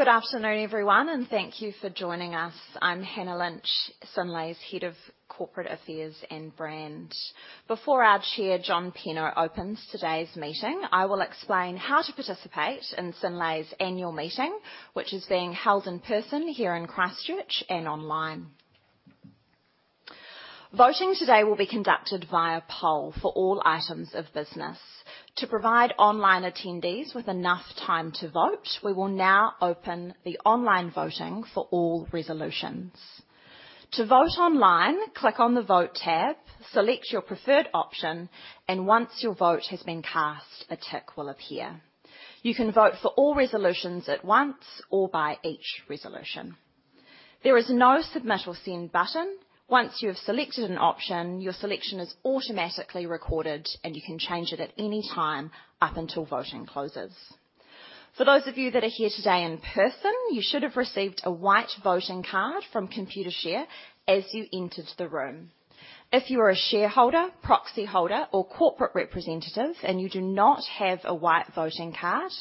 Good afternoon, everyone. Thank you for joining us. I'm Hannah Lynch, Synlait's Head of Corporate Affairs and Brand. Before our Chair, John Penno, opens today's meeting, I will explain how to participate in Synlait's annual meeting, which is being held in person here in Christchurch and online. Voting today will be conducted via poll for all items of business. To provide online attendees with enough time to vote, we will now open the online voting for all resolutions. To vote online, click on the Vote tab, select your preferred option, and once your vote has been cast, a tick will appear. You can vote for all resolutions at once or by each resolution. There is no submit or send button. Once you have selected an option, your selection is automatically recorded, and you can change it at any time up until voting closes. For those of you that are here today in person, you should have received a white voting card from Computershare as you entered the room. If you are a shareholder, proxy holder, or corporate representative, and you do not have a white voting card,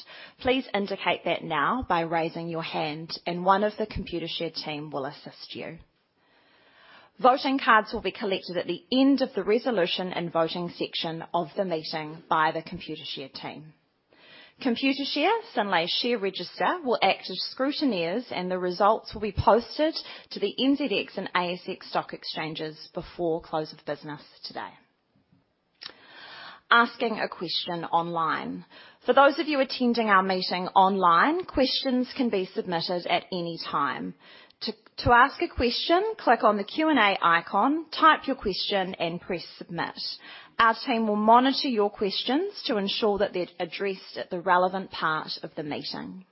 please indicate that now by raising your hand and one of the Computershare team will assist you. Voting cards will be collected at the end of the resolution and voting section of the meeting by the Computershare team. Computershare, Synlait's share register, will act as scrutineers and the results will be posted to the NZX and ASX stock exchanges before close of business today. Asking a question online. For those of you attending our meeting online, questions can be submitted at any time. To ask a question, click on the Q&A icon, type your question, and press Submit. Our team will monitor your questions to ensure that they're addressed at the relevant part of the meeting.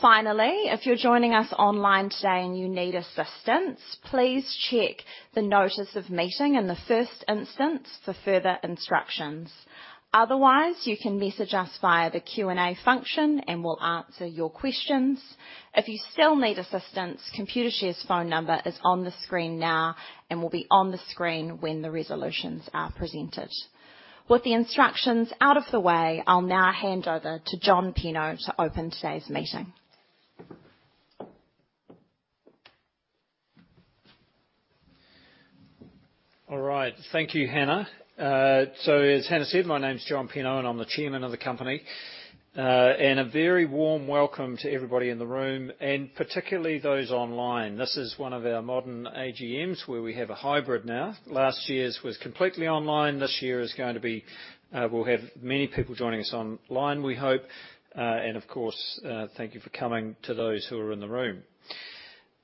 Finally, if you're joining us online today and you need assistance, please check the notice of meeting in the first instance for further instructions. Otherwise, you can message us via the Q&A function, and we'll answer your questions. If you still need assistance, Computershare's phone number is on the screen now and will be on the screen when the resolutions are presented. With the instructions out of the way, I'll now hand over to John Penno to open today's meeting. All right. Thank you, Hannah. As Hannah said, my name's John Penno, and I'm the chairman of the company. A very warm welcome to everybody in the room, and particularly those online. This is one of our modern AGMs, where we have a hybrid now. Last year's was completely online. This year is going to be, we'll have many people joining us online, we hope. Of course, thank you for coming to those who are in the room.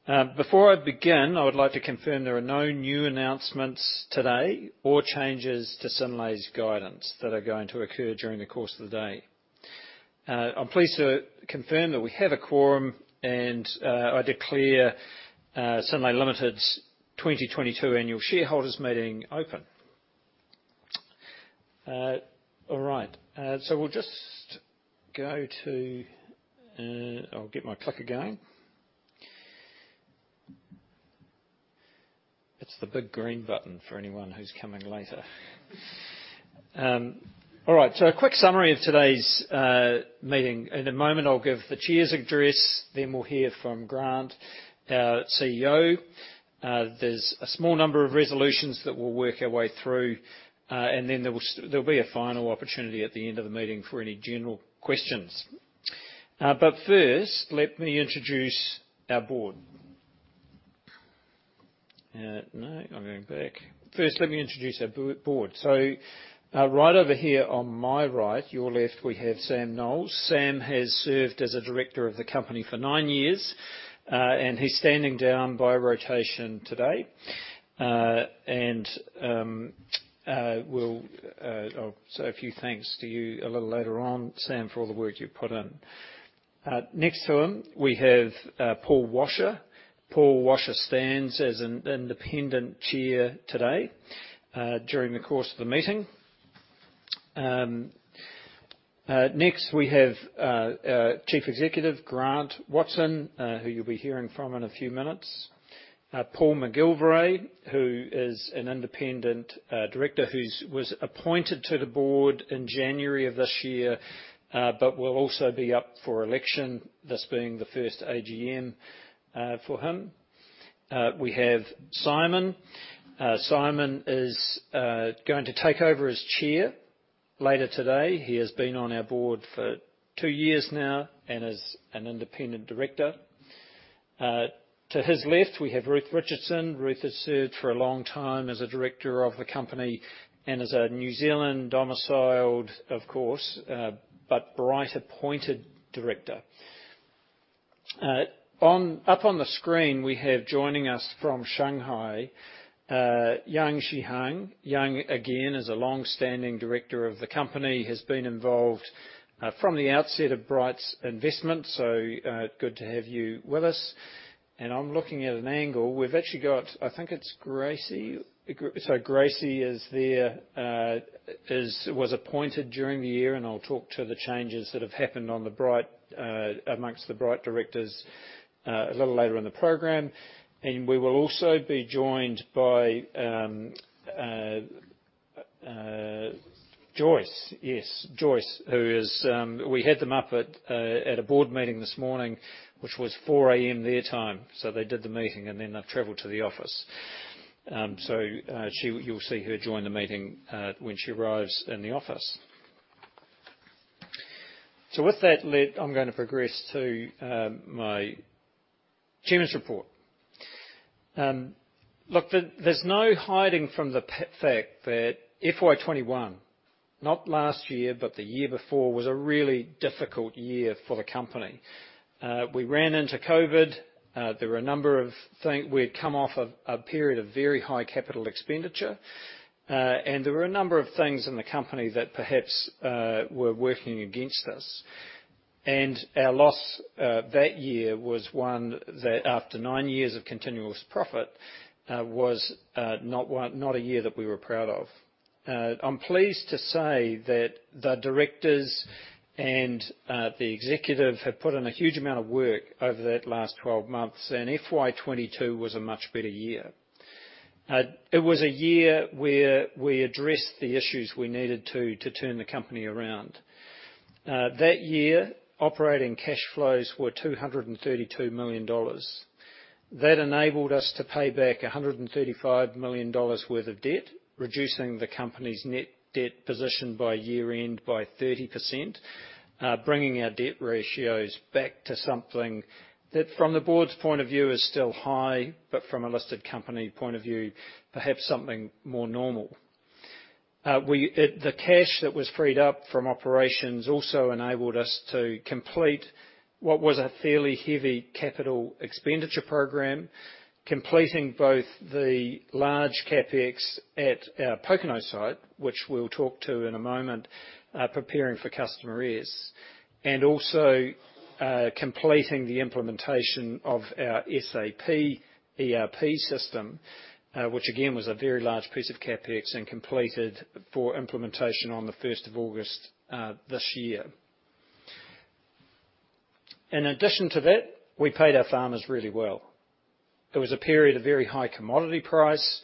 Before I begin, I would like to confirm there are no new announcements today or changes to Synlait's guidance that are going to occur during the course of the day. I'm pleased to confirm that we have a quorum and I declare Synlait Limited's 2022 annual shareholders meeting open. All right. We'll just go to... I'll get my clicker going. It's the big green button for anyone who's coming later. All right. A quick summary of today's meeting. In a moment, I'll give the Chair's address, then we'll hear from Grant Watson, our CEO. There's a small number of resolutions that we'll work our way through, and then there'll be a final opportunity at the end of the meeting for any general questions. But first, let me introduce our board. No, I'm going back. First, let me introduce our board. So, right over here on my right, your left, we have Sam Knowles. Sam has served as a Director of the company for 9 years, and he's standing down by rotation today. We'll say a few thanks to you a little later on, Sam, for all the work you've put in. Next to him, we have Paul Washer. Paul Washer stands as an independent chair today during the course of the meeting. Next we have Chief Executive, Grant Watson, who you'll be hearing from in a few minutes. Paul McGilvary, who is an independent director who was appointed to the board in January of this year, but will also be up for election, this being the first AGM for him. We have Simon. Simon is going to take over as chair later today. He has been on our board for two years now and is an independent director. To his left, we have Ruth Richardson. Ruth has served for a long time as a director of the company and is a New Zealand domiciled, of course, but Bright appointed director. Up on the screen, we have joining us from Shanghai, Sihang Yang. Yang, again, is a long-standing director of the company, has been involved from the outset of Bright's investment, so good to have you with us. I'm looking at an angle. We've actually got, I think it's Gracie. So Gracie is there. Was appointed during the year, I'll talk to the changes that have happened amongst the Bright directors a little later in the program. We will also be joined by Joyce. Yes, Joyce, who is, we had them up at a board meeting this morning, which was 4:00 A.M. their time. They did the meeting, and then they've traveled to the office. You'll see her join the meeting when she arrives in the office. With that lit, I'm gonna progress to my chairman's report. Look, there's no hiding from the fact that FY 2021, not last year, but the year before, was a really difficult year for the company. We ran into COVID. There were a number of things we had come off of a period of very high capital expenditure. There were a number of things in the company that perhaps were working against us. Our loss that year was one that after 9 years of continuous profit was not a year that we were proud of. I'm pleased to say that the directors and the executive have put in a huge amount of work over that last 12 months, FY 2022 was a much better year. It was a year where we addressed the issues we needed to turn the company around. That year, operating cash flows were 232 million dollars. That enabled us to pay back 135 million dollars worth of debt, reducing the company's net debt position by year-end by 30%, bringing our debt ratios back to something that, from the board's point of view, is still high, but from a listed company point of view, perhaps something more normal. We, the cash that was freed up from operations also enabled us to complete what was a fairly heavy capital expenditure program, completing both the large CapEx at our Pōkeno site, which we'll talk to in a moment, preparing for Customer S. And also, completing the implementation of our SAP ERP system, which again, was a very large piece of CapEx and completed for implementation on the first of August this year. In addition to that, we paid our farmers really well. It was a period of very high commodity price,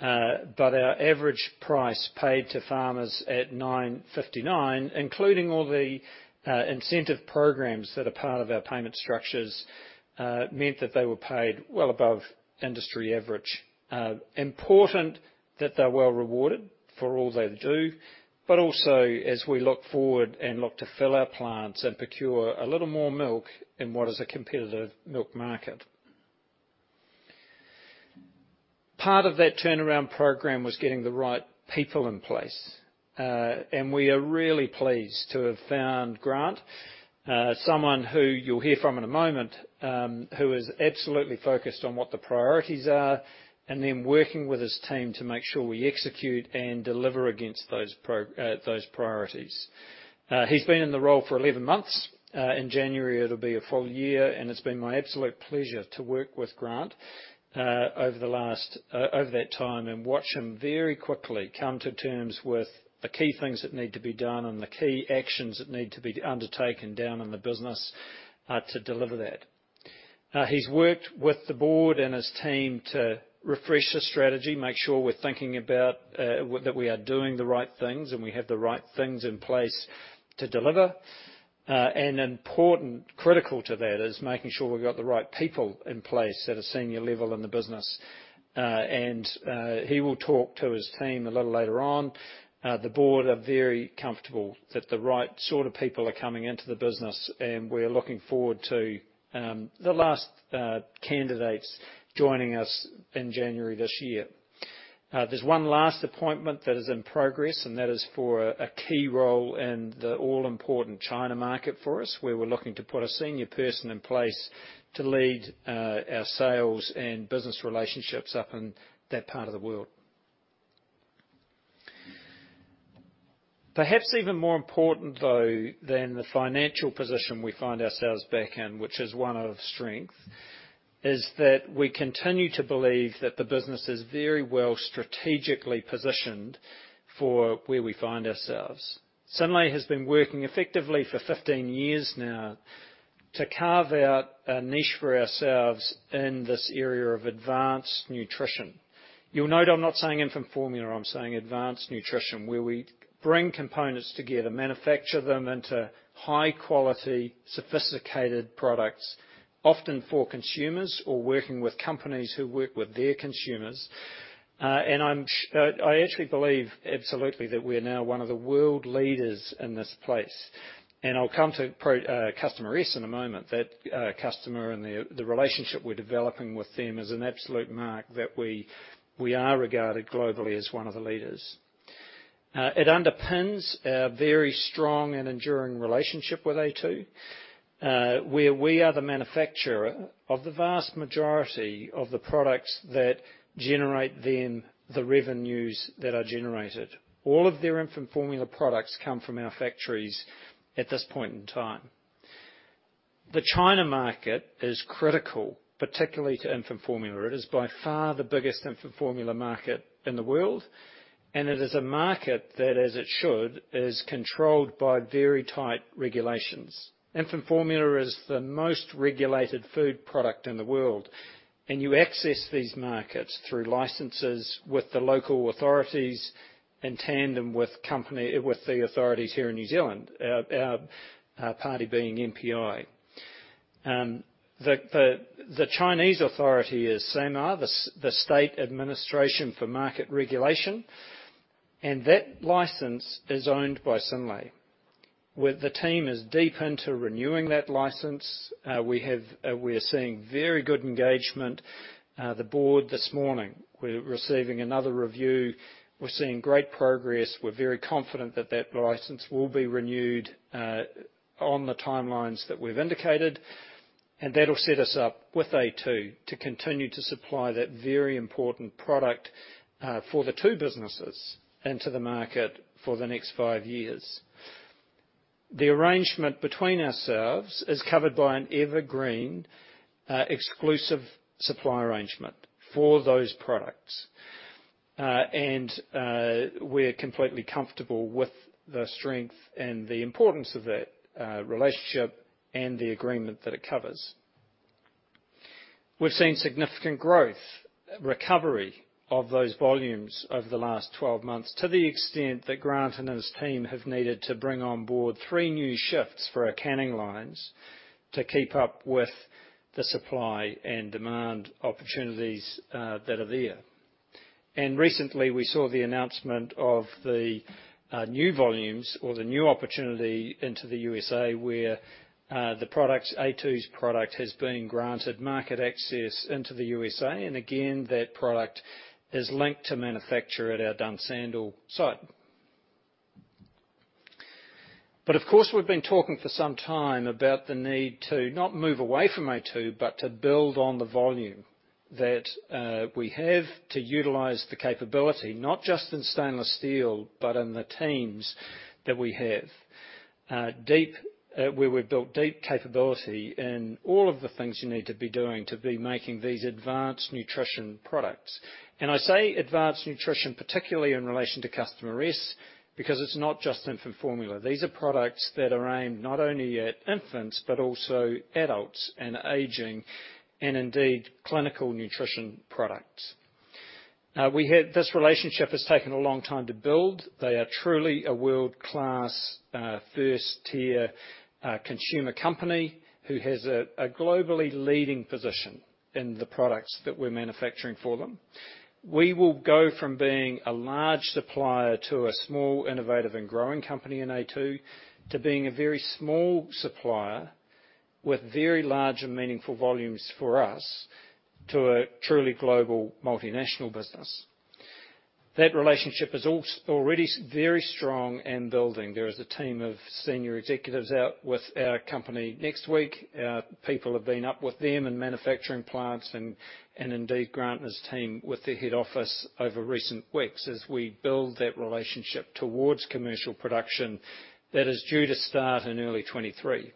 but our average price paid to farmers at 9.59, including all the incentive programs that are part of our payment structures, meant that they were paid well above industry average. Important that they're well rewarded for all they do, but also as we look forward and look to fill our plants and procure a little more milk in what is a competitive milk market. Part of that turnaround program was getting the right people in place. We are really pleased to have found Grant, someone who you'll hear from in a moment, who is absolutely focused on what the priorities are, and then working with his team to make sure we execute and deliver against those priorities. He's been in the role for 11 months. In January, it'll be a full year, and it's been my absolute pleasure to work with Grant over the last over that time and watch him very quickly come to terms with the key things that need to be done and the key actions that need to be undertaken down in the business to deliver that. He's worked with the board and his team to refresh the strategy, make sure we're thinking about that we are doing the right things and we have the right things in place to deliver. Important, critical to that is making sure we've got the right people in place at a senior level in the business. He will talk to his team a little later on. The board are very comfortable that the right sort of people are coming into the business, and we're looking forward to the last candidates joining us in January this year. There's one last appointment that is in progress, and that is for a key role in the all-important China market for us, where we're looking to put a senior person in place to lead our sales and business relationships up in that part of the world. Perhaps even more important though, than the financial position we find ourselves back in, which is one of strength, is that we continue to believe that the business is very well strategically positioned for where we find ourselves. Synlait has been working effectively for 15 years now to carve out a niche for ourselves in this area of advanced nutrition. You'll note I'm not saying infant formula, I'm saying advanced nutrition, where we bring components together, manufacture them into high-quality, sophisticated products, often for consumers or working with companies who work with their consumers. I actually believe absolutely that we are now one of the world leaders in this place. I'll come to Customer S in a moment. The customer and the relationship we're developing with them is an absolute mark that we are regarded globally as one of the leaders. It underpins our very strong and enduring relationship with A2, where we are the manufacturer of the vast majority of the products that generate them the revenues that are generated. All of their infant formula products come from our factories at this point in time. The China market is critical, particularly to infant formula. It is by far the biggest infant formula market in the world, and it is a market that, as it should, is controlled by very tight regulations. Infant formula is the most regulated food product in the world, and you access these markets through licenses with the local authorities in tandem with the authorities here in New Zealand, our party being MPI. The Chinese authority is SAMR, the State Administration for Market Regulation, and that license is owned by Synlait. With the team is deep into renewing that license. We have, we're seeing very good engagement. The board this morning, we're receiving another review. We're seeing great progress. We're very confident that that license will be renewed on the timelines that we've indicated, and that'll set us up with A2 to continue to supply that very important product for the two businesses into the market for the next five years. The arrangement between ourselves is covered by an evergreen exclusive supply arrangement for those products. We're completely comfortable with the strength and the importance of that relationship and the agreement that it covers. We've seen significant growth, recovery of those volumes over the last 12 months to the extent that Grant and his team have needed to bring on board three new shifts for our canning lines to keep up with the supply and demand opportunities that are there. Recently, we saw the announcement of the new volumes or the new opportunity into the U.S.A. where the products, A2's product, has been granted market access into the U.S.A. Again, that product is linked to manufacture at our Dunsandel site. Of course, we've been talking for some time about the need to not move away from A2, but to build on the volume that we have to utilize the capability, not just in stainless steel, but in the teams that we have. Deep where we've built deep capability in all of the things you need to be doing to be making these advanced nutrition products. I say advanced nutrition, particularly in relation to customer risk, because it's not just infant formula. These are products that are aimed not only at infants, but also adults and aging, and indeed, clinical nutrition products. This relationship has taken a long time to build. They are truly a world-class, first-tier consumer company who has a globally leading position in the products that we're manufacturing for them. We will go from being a large supplier to a small, innovative, and growing company in A2 to being a very small supplier with very large and meaningful volumes for us to a truly global multinational business. That relationship is already very strong and building. There is a team of senior executives out with our company next week. Our people have been up with them in manufacturing plants and indeed, Grant Watson and his team with the head office over recent weeks as we build that relationship towards commercial production that is due to start in early 2023.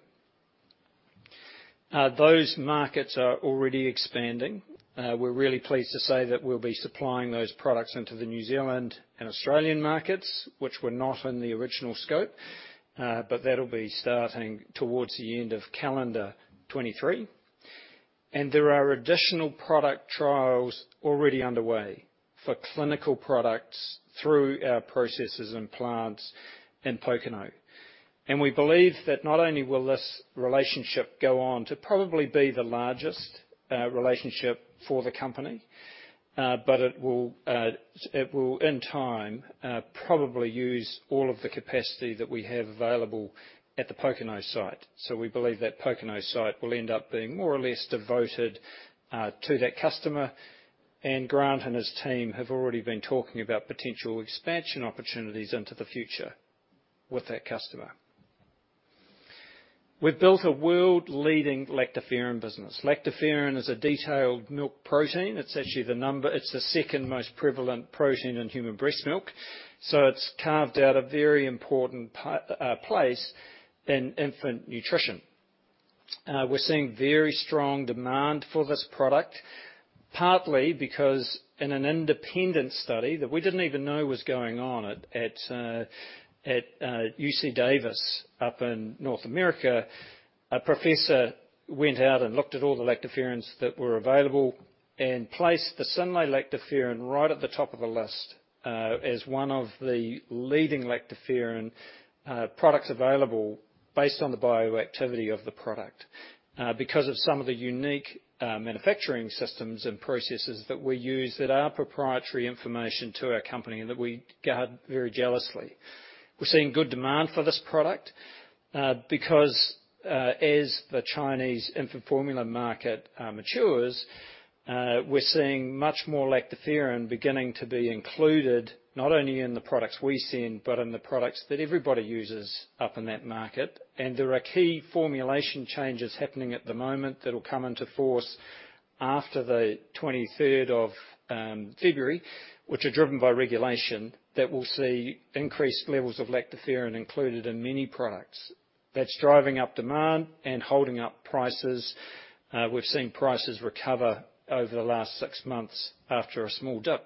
Those markets are already expanding. We're really pleased to say that we'll be supplying those products into the New Zealand and Australian markets, which were not in the original scope. That'll be starting towards the end of calendar 2023. There are additional product trials already underway for clinical products through our processes and plants in Pōkeno. We believe that not only will this relationship go on to probably be the largest relationship for the company, but it will, in time, probably use all of the capacity that we have available at the Pōkeno site. We believe that Pōkeno site will end up being more or less devoted to that customer. Grant and his team have already been talking about potential expansion opportunities into the future with that customer. We've built a world-leading Lactoferrin business. Lactoferrin is a detailed milk protein. It's actually the number... It's the second most prevalent protein in human breast milk. It's carved out a very important place in infant nutrition. We're seeing very strong demand for this product, partly because in an independent study that we didn't even know was going on at UC Davis up in North America, a professor went out and looked at all the lactoferrins that were available and placed the Synlait lactoferrin right at the top of the list, as one of the leading lactoferrin products available based on the bioactivity of the product, because of some of the unique manufacturing systems and processes that we use that are proprietary information to our company and that we guard very jealously. We're seeing good demand for this product because as the Chinese infant formula market matures, we're seeing much more Lactoferrin beginning to be included not only in the products we send, but in the products that everybody uses up in that market. There are key formulation changes happening at the moment that'll come into force after the 23rd of February, which are driven by regulation, that we'll see increased levels of Lactoferrin included in many products. That's driving up demand and holding up prices. We've seen prices recover over the last 6 months after a small dip.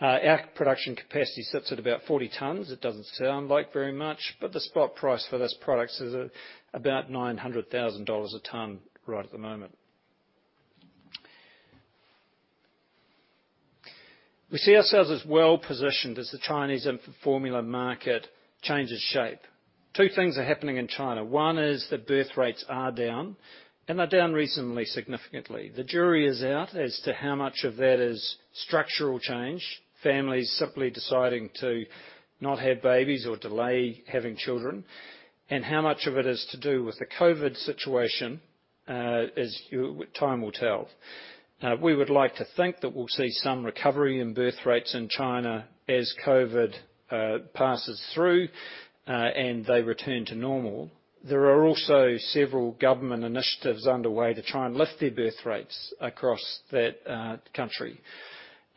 Our production capacity sits at about 40 tons. It doesn't sound like very much, but the spot price for this product is at about 900,000 dollars a ton right at the moment. We see ourselves as well-positioned as the Chinese infant formula market changes shape. Two things are happening in China. One is that birth rates are down, and they're down recently significantly. The jury is out as to how much of that is structural change, families simply deciding to not have babies or delay having children, and how much of it is to do with the COVID situation, as time will tell. We would like to think that we'll see some recovery in birth rates in China as COVID passes through and they return to normal. There are also several government initiatives underway to try and lift their birth rates across that country.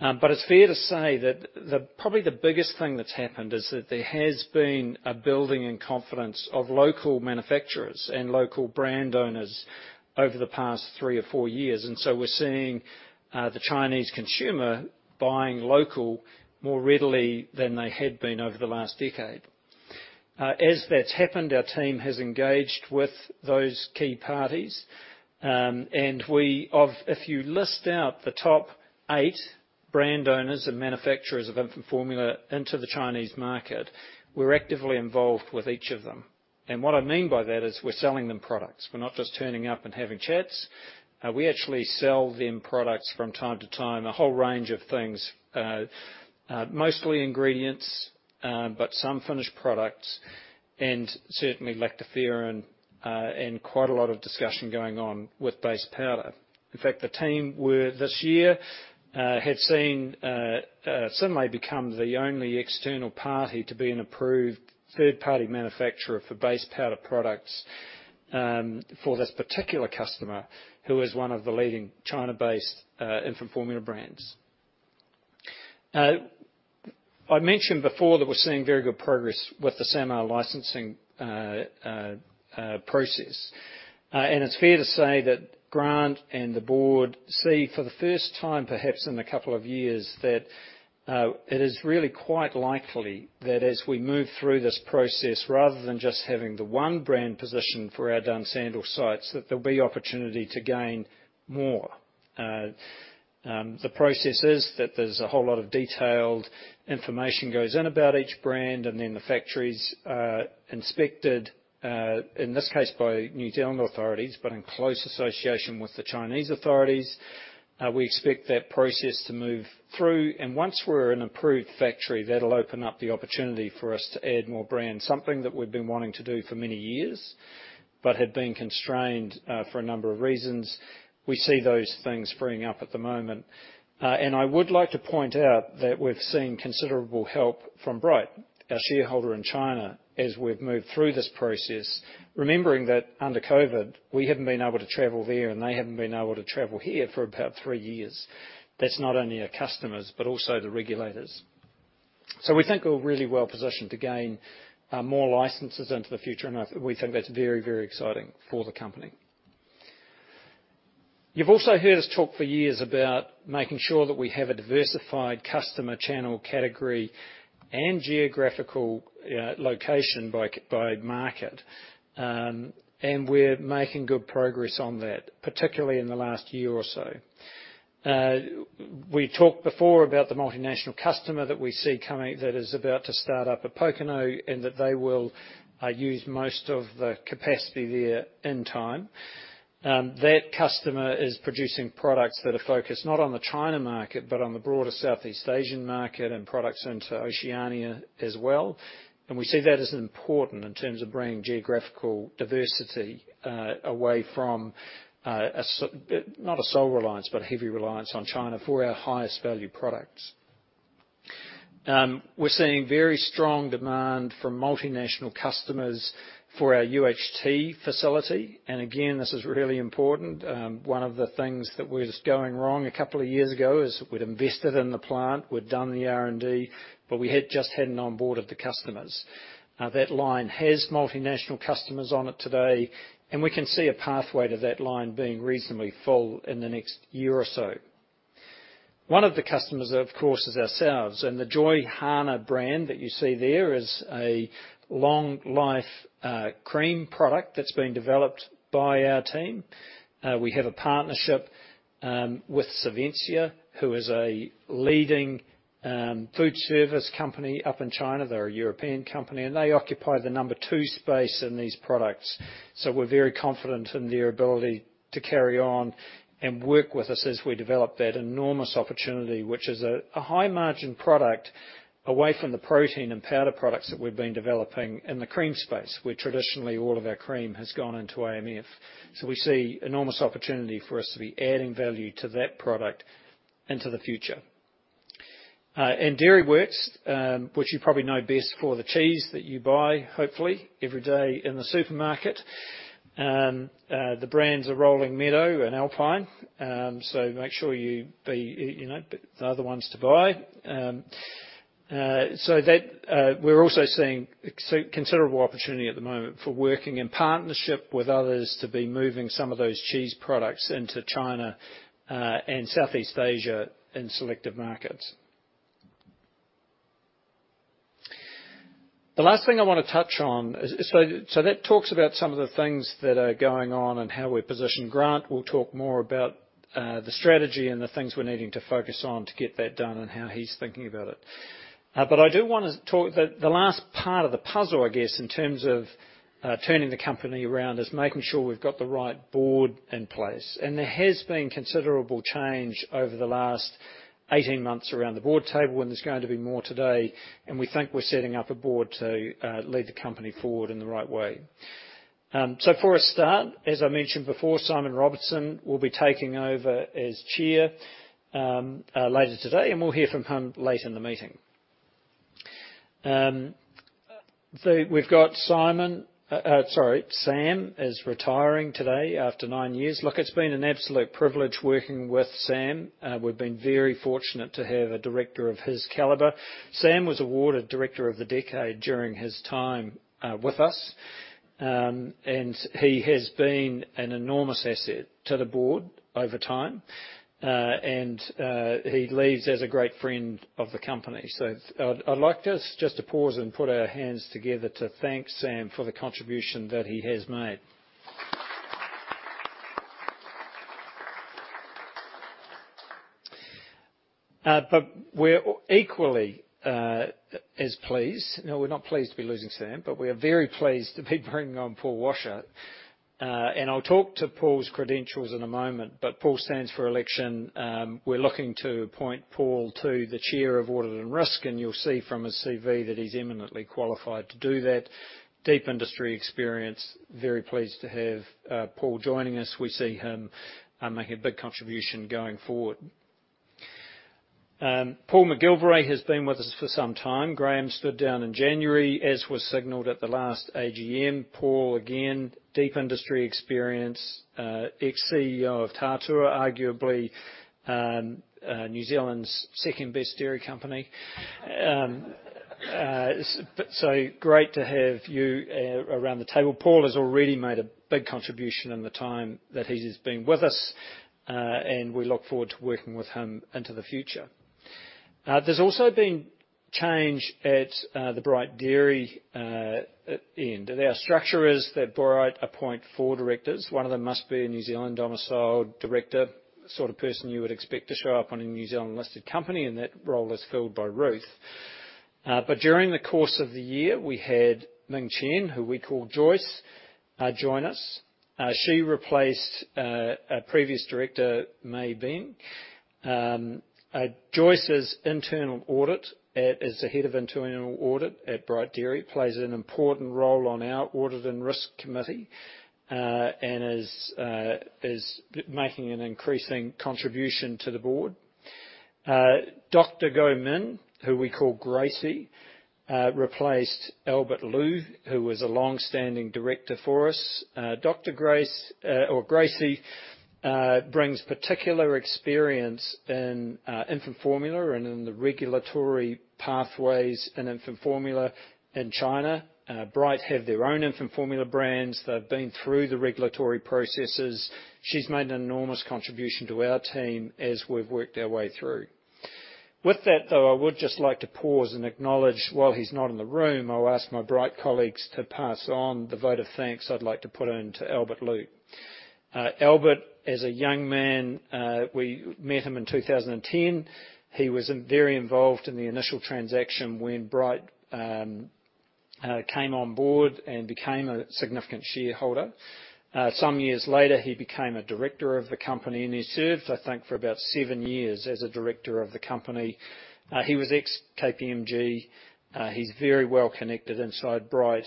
It's fair to say that the, probably the biggest thing that's happened is that there has been a building in confidence of local manufacturers and local brand owners over the past three or four years. We're seeing the Chinese consumer buying local more readily than they had been over the last decade. As that's happened, our team has engaged with those key parties. If you list out the top eight brand owners and manufacturers of infant formula into the Chinese market, we're actively involved with each of them. What I mean by that is we're selling them products. We're not just turning up and having chats. We actually sell them products from time to time, a whole range of things, mostly ingredients, but some finished products, and certainly Lactoferrin, and quite a lot of discussion going on with base powder. In fact, the team were this year, had seen Synlait become the only external party to be an approved third-party manufacturer for base powder products, for this particular customer who is one of the leading China-based, infant formula brands. I mentioned before that we're seeing very good progress with the SAMR licensing process. It's fair to say that Grant and the board see for the first time, perhaps in a couple of years, that it is really quite likely that as we move through this process, rather than just having the one brand position for our Dunsandel sites, that there'll be opportunity to gain more. The process is that there's a whole lot of detailed information goes in about each brand, and then the factories are inspected, in this case by New Zealand authorities, but in close association with the Chinese authorities. We expect that process to move through. Once we're an approved factory, that'll open up the opportunity for us to add more brands, something that we've been wanting to do for many years, but had been constrained for a number of reasons. We see those things freeing up at the moment. I would like to point out that we've seen considerable help from Bright, our shareholder in China, as we've moved through this process, remembering that under COVID, we haven't been able to travel there and they haven't been able to travel here for about three years. That's not only our customers, but also the regulators. We think we're really well-positioned to gain more licenses into the future, and I, we think that's very, very exciting for the company. You've also heard us talk for years about making sure that we have a diversified customer channel category and geographical location by market. We're making good progress on that, particularly in the last year or so. We talked before about the multinational customer that we see coming, that is about to start up at Pōkeno, and that they will use most of the capacity there in time. That customer is producing products that are focused not on the China market, but on the broader Southeast Asian market and products into Oceania as well. We see that as important in terms of bringing geographical diversity away from a not a sole reliance, but a heavy reliance on China for our highest value products. We're seeing very strong demand from multinational customers for our UHT facility. Again, this is really important. One of the things that was going wrong a couple of years ago is we'd invested in the plant, we'd done the R&D, but we had just hadn't onboarded the customers. That line has multinational customers on it today, we can see a pathway to that line being reasonably full in the next year or so. One of the customers, of course, is ourselves. The Joyhana brand that you see there is a long-life cream product that's been developed by our team. We have a partnership with Savencia, who is a leading food service company up in China. They're a European company, they occupy the number 2 space in these products. We're very confident in their ability to carry on and work with us as we develop that enormous opportunity, which is a high-margin product away from the protein and powder products that we've been developing in the cream space, where traditionally all of our cream has gone into AMF. We see enormous opportunity for us to be adding value to that product into the future. Dairyworks, which you probably know best for the cheese that you buy, hopefully every day in the supermarket. The brands are Rolling Meadow and Alpine. Make sure you, be, you know, they're the ones to buy. That, we're also seeing considerable opportunity at the moment for working in partnership with others to be moving some of those cheese products into China and Southeast Asia in selective markets. The last thing I wanna touch on is. That talks about some of the things that are going on and how we position Grant. We'll talk more about the strategy and the things we're needing to focus on to get that done and how he's thinking about it. I do wanna talk... The last part of the puzzle, I guess, in terms of turning the company around, is making sure we've got the right board in place. There has been considerable change over the last 18 months around the board table, and there's going to be more today, and we think we're setting up a board to lead the company forward in the right way. For a start, as I mentioned before, Simon Robertson will be taking over as Chair later today, and we'll hear from him late in the meeting. We've got Simon, sorry, Sam is retiring today after 9 years. It's been an absolute privilege working with Sam. We've been very fortunate to have a director of his caliber. Sam was awarded Director of the Decade during his time with us. He has been an enormous asset to the board over time. He leaves as a great friend of the company. I'd like us just to pause and put our hands together to thank Sam for the contribution that he has made. We're equally as pleased. No, we're not pleased to be losing Sam, but we are very pleased to be bringing on Paul Washer. I'll talk to Paul's credentials in a moment, but Paul stands for election. We're looking to appoint Paul to the Chair of Audit and Risk, and you'll see from his CV that he's imminently qualified to do that. Deep industry experience. Very pleased to have Paul joining us. We see him making a big contribution going forward. Paul McGilvary has been with us for some time. Graeme stood down in January, as was signaled at the last AGM. Paul, again, deep industry experience, ex-CEO of Tatua, arguably, New Zealand's second-best dairy company. Great to have you around the table. Paul has already made a big contribution in the time that he has been with us, we look forward to working with him into the future. There's also been change at the Bright Dairy end. Our structure is that Bright appoint four directors. One of them must be a New Zealand domiciled director, sort of person you would expect to show up on a New Zealand-listed company, that role is filled by Ruth. During the course of the year, we had Min Chen, who we call Joyce, join us. She replaced a previous director, Min Ben. Joyce's internal audit as the head of internal audit at Bright Dairy plays an important role on our Audit and Risk Committee and is making an increasing contribution to the board. Dr. Gui Min, who we call Gracie, replaced Qikai (Albert) Lu, who was a long-standing director for us. Dr. Grace, or Gracie, brings particular experience in infant formula and in the regulatory pathways in infant formula in China. Bright have their own infant formula brands. They've been through the regulatory processes. She's made an enormous contribution to our team as we've worked our way through. With that, I would just like to pause and acknowledge, while he's not in the room, I'll ask my Bright colleagues to pass on the vote of thanks I'd like to put on to Albert Lu. Albert, as a young man, we met him in 2010. He was very involved in the initial transaction when Bright came on board and became a significant shareholder. Some years later, he became a director of the company, and he served, I think, for about 7 years as a director of the company. He was ex-KPMG. He's very well connected inside Bright.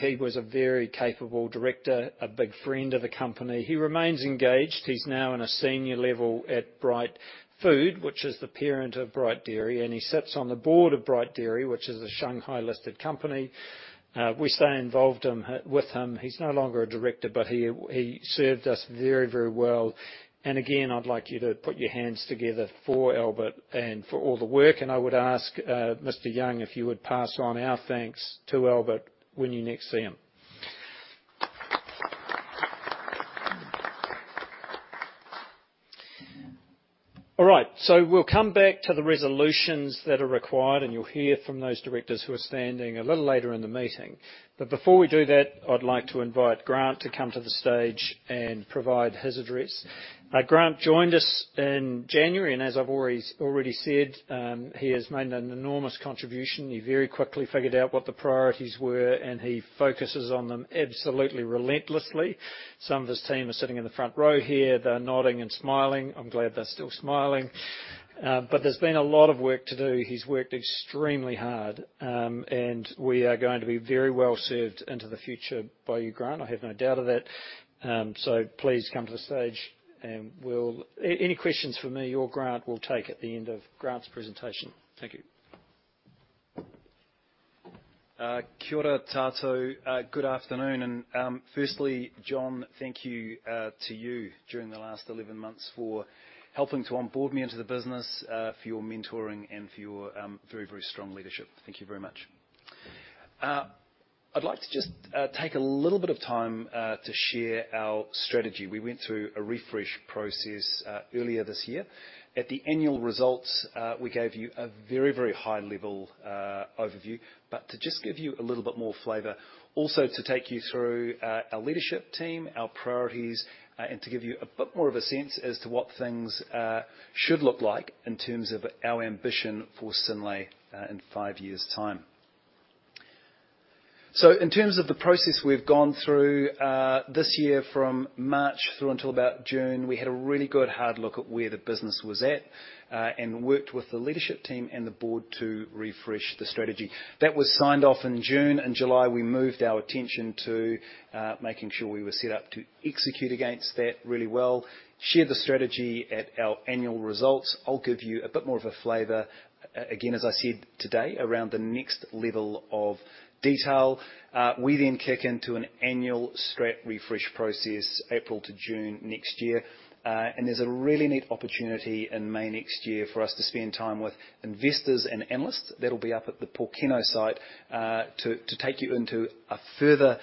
He was a very capable director, a big friend of the company. He remains engaged. He's now in a senior level at Bright Food, which is the parent of Bright Dairy, and he sits on the board of Bright Dairy, which is a Shanghai-listed company. We stay involved with him. He's no longer a director, but he served us very, very well. Again, I'd like you to put your hands together for Albert and for all the work. I would ask Mr. Yang if you would pass on our thanks to Albert when you next see him. All right, we'll come back to the resolutions that are required, and you'll hear from those directors who are standing a little later in the meeting. Before we do that, I'd like to invite Grant to come to the stage and provide his address. Grant joined us in January, as I've already said, he has made an enormous contribution. He very quickly figured out what the priorities were, he focuses on them absolutely relentlessly. Some of his team are sitting in the front row here. They're nodding and smiling. I'm glad they're still smiling. There's been a lot of work to do. He's worked extremely hard. We are going to be very well-served into the future by you, Grant. I have no doubt of that. Please come to the stage and we'll any questions for me or Grant we'll take at the end of Grant's presentation. Thank you. [Kia ora koutou]. Good afternoon. Firstly, John, thank you to you during the last 11 months for helping to onboard me into the business, for your mentoring and for your very, very strong leadership. Thank you very much. I'd like to just take a little bit of time to share our strategy. We went through a refresh process earlier this year. At the annual results, we gave you a very, very high level overview. To just give you a little bit more flavor, also to take you through our leadership team, our priorities, and to give you a bit more of a sense as to what things should look like in terms of our ambition for Synlait in 5 years' time. In terms of the process we've gone through, this year from March through until about June, we had a really good hard look at where the business was at, and worked with the leadership team and the Board to refresh the strategy. That was signed off in June. In July, we moved our attention to making sure we were set up to execute against that really well. Shared the strategy at our annual results. I'll give you a bit more of a flavor, again, as I said today, around the next level of detail. We kick into an annual strat refresh process April to June next year. There's a really neat opportunity in May next year for us to spend time with investors and analysts. That'll be up at the Pōkeno site, to take you into a further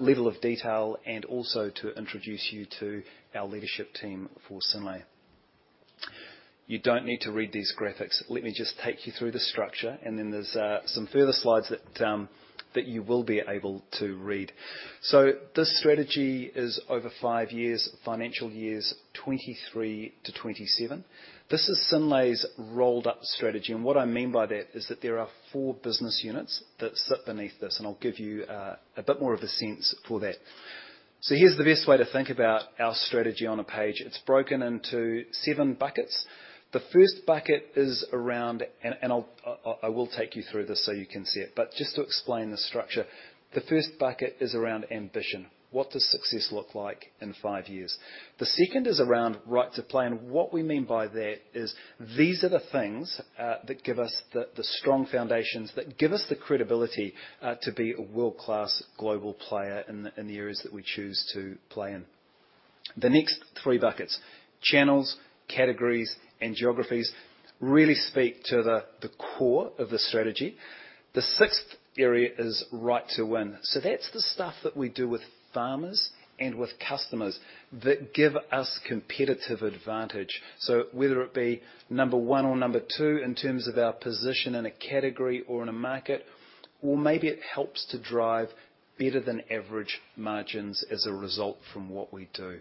level of detail and also to introduce you to our leadership team for Synlait. You don't need to read these graphics. Let me just take you through the structure, and then there's some further slides that you will be able to read. This strategy is over five years, financial years 2023-2027. This is Synlait's rolled-up strategy, and what I mean by that is that there are four business units that sit beneath this, and I'll give you a bit more of a sense for that. Here's the best way to think about our strategy on a page. It's broken into seven buckets. The first bucket is around... I'll, I will take you through this so you can see it, but just to explain the structure. The first bucket is around ambition. What does success look like in 5 years? The second is around right to play, and what we mean by that is these are the things that give us the strong foundations, that give us the credibility to be a world-class global player in the areas that we choose to play in. The next 3 buckets, channels, categories, and geographies really speak to the core of the strategy. The sixth area is right to win. That's the stuff that we do with farmers and with customers that give us competitive advantage. Whether it be number one or number two in terms of our position in a category or in a market, or maybe it helps to drive better than average margins as a result from what we do.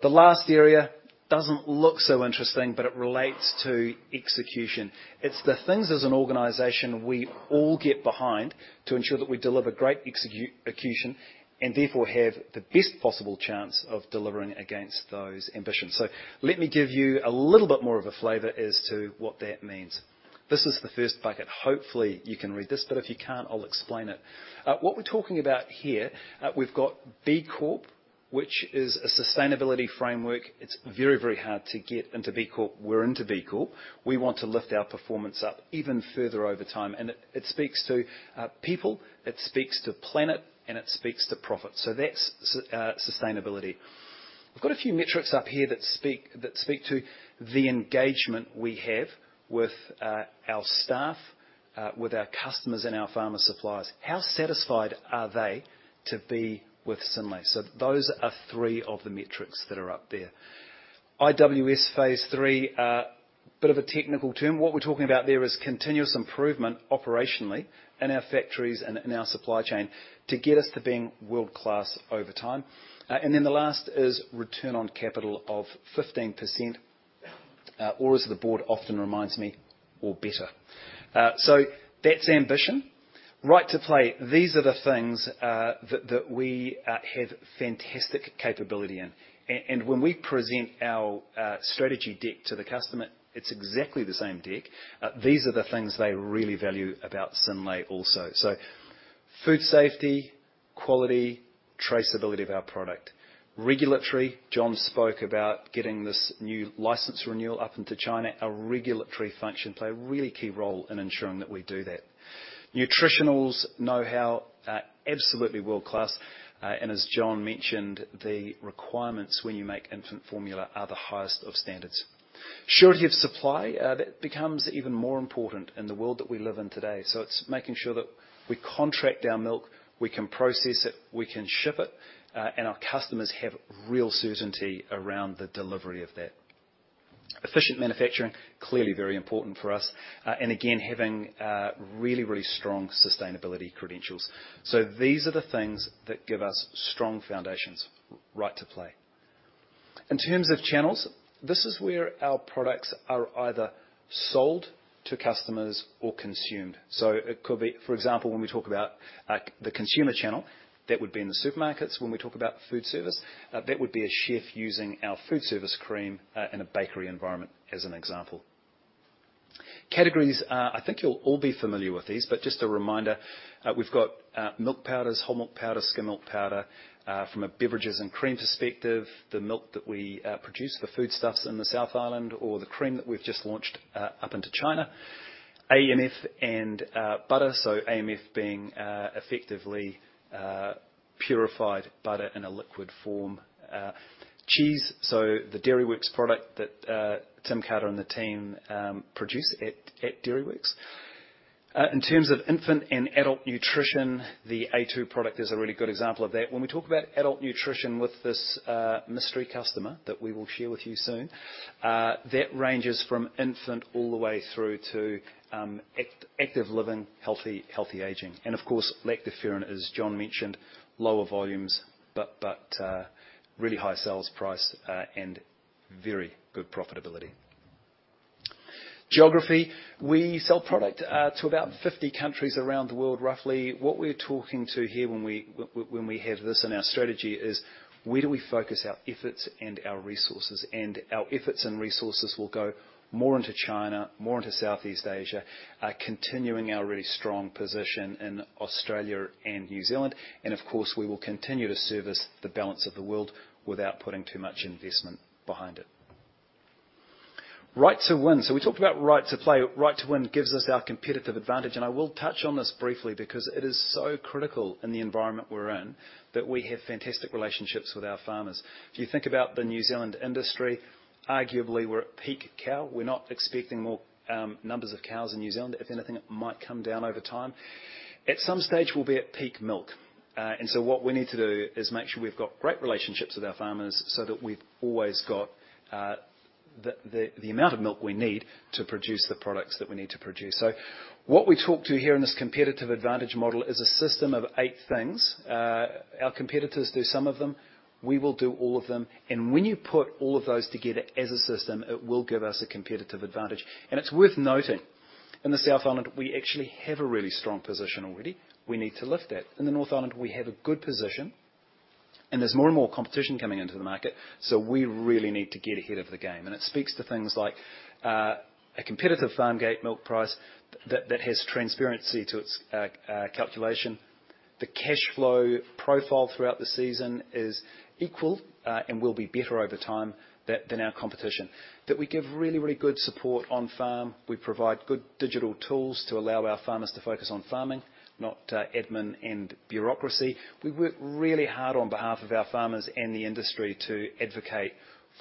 The last area doesn't look so interesting, but it relates to execution. It's the things as an organization we all get behind to ensure that we deliver great execution, and therefore have the best possible chance of delivering against those ambitions. Let me give you a little bit more of a flavor as to what that means. This is the first bucket. Hopefully, you can read this, but if you can't, I'll explain it. What we're talking about here, we've got B Corp, which is a sustainability framework. It's very, very hard to get into B Corp. We're into B Corp. We want to lift our performance up even further over time, and it speaks to people, it speaks to planet, and it speaks to profit. That's sustainability. We've got a few metrics up here that speak to the engagement we have with our staff, with our customers and our farmer suppliers. How satisfied are they to be with Synlait? Those are three of the metrics that are up there. IWS Phase Three, bit of a technical term. What we're talking about there is continuous improvement operationally in our factories and in our supply chain to get us to being world-class over time. The last is return on capital of 15%, or as the board often reminds me, or better. That's ambition. Right to play. These are the things that we have fantastic capability in. When we present our strategy deck to the customer, it's exactly the same deck. These are the things they really value about Synlait also. Food safety, quality, traceability of our product. Regulatory. John spoke about getting this new license renewal up into China. Our regulatory function play a really key role in ensuring that we do that. Nutritionals know-how, absolutely world-class. As John mentioned, the requirements when you make infant formula are the highest of standards. Surety of supply, that becomes even more important in the world that we live in today. It's making sure that we contract our milk, we can process it, we can ship it, and our customers have real certainty around the delivery of that. Efficient manufacturing, clearly very important for us. Again, having really strong sustainability credentials. These are the things that give us strong foundations right to play. In terms of channels, this is where our products are either sold to customers or consumed. It could be, for example, when we talk about the consumer channel, that would be in the supermarkets. When we talk about food service, that would be a chef using our food service cream in a bakery environment as an example. Categories, I think you'll all be familiar with these, but just a reminder, we've got milk powders, whole milk powder, skim milk powder, from a beverages and cream perspective, the milk that we produce, the foodstuffs in the South Island or the cream that we've just launched up into China. AMF and butter. AMF being effectively purified butter in a liquid form. Cheese, the Dairyworks product that Tim Carter and the team produce at Dairyworks. In terms of infant and adult nutrition, the A2 product is a really good example of that. When we talk about adult nutrition with this mystery customer that we will share with you soon, that ranges from infant all the way through to active living, healthy aging. Of course, Lactoferrin, as John mentioned, lower volumes, but really high sales price and very good profitability. Geography, we sell product to about 50 countries around the world, roughly. What we're talking to here when we when we have this in our strategy is where do we focus our efforts and our resources? Our efforts and resources will go more into China, more into Southeast Asia, continuing our really strong position in Australia and New Zealand, and of course, we will continue to service the balance of the world without putting too much investment behind it. Right to win. We talked about right to play. Right to win gives us our competitive advantage, and I will touch on this briefly because it is so critical in the environment we're in that we have fantastic relationships with our farmers. If you think about the New Zealand industry, arguably, we're at peak cow. We're not expecting more numbers of cows in New Zealand. If anything, it might come down over time. At some stage, we'll be at peak milk. What we need to do is make sure we've got great relationships with our farmers so that we've always got the amount of milk we need to produce the products that we need to produce. What we talk to here in this competitive advantage model is a system of 8 things. Our competitors do some of them, we will do all of them. When you put all of those together as a system, it will give us a competitive advantage. It's worth noting, in the South Island, we actually have a really strong position already. We need to lift that. In the North Island, we have a good position, and there's more and more competition coming into the market, so we really need to get ahead of the game. It speaks to things like a competitive farm gate milk price that has transparency to its calculation. The cash flow profile throughout the season is equal and will be better over time than our competition. That we give really good support on farm. We provide good digital tools to allow our farmers to focus on farming, not admin and bureaucracy. We work really hard on behalf of our farmers and the industry to advocate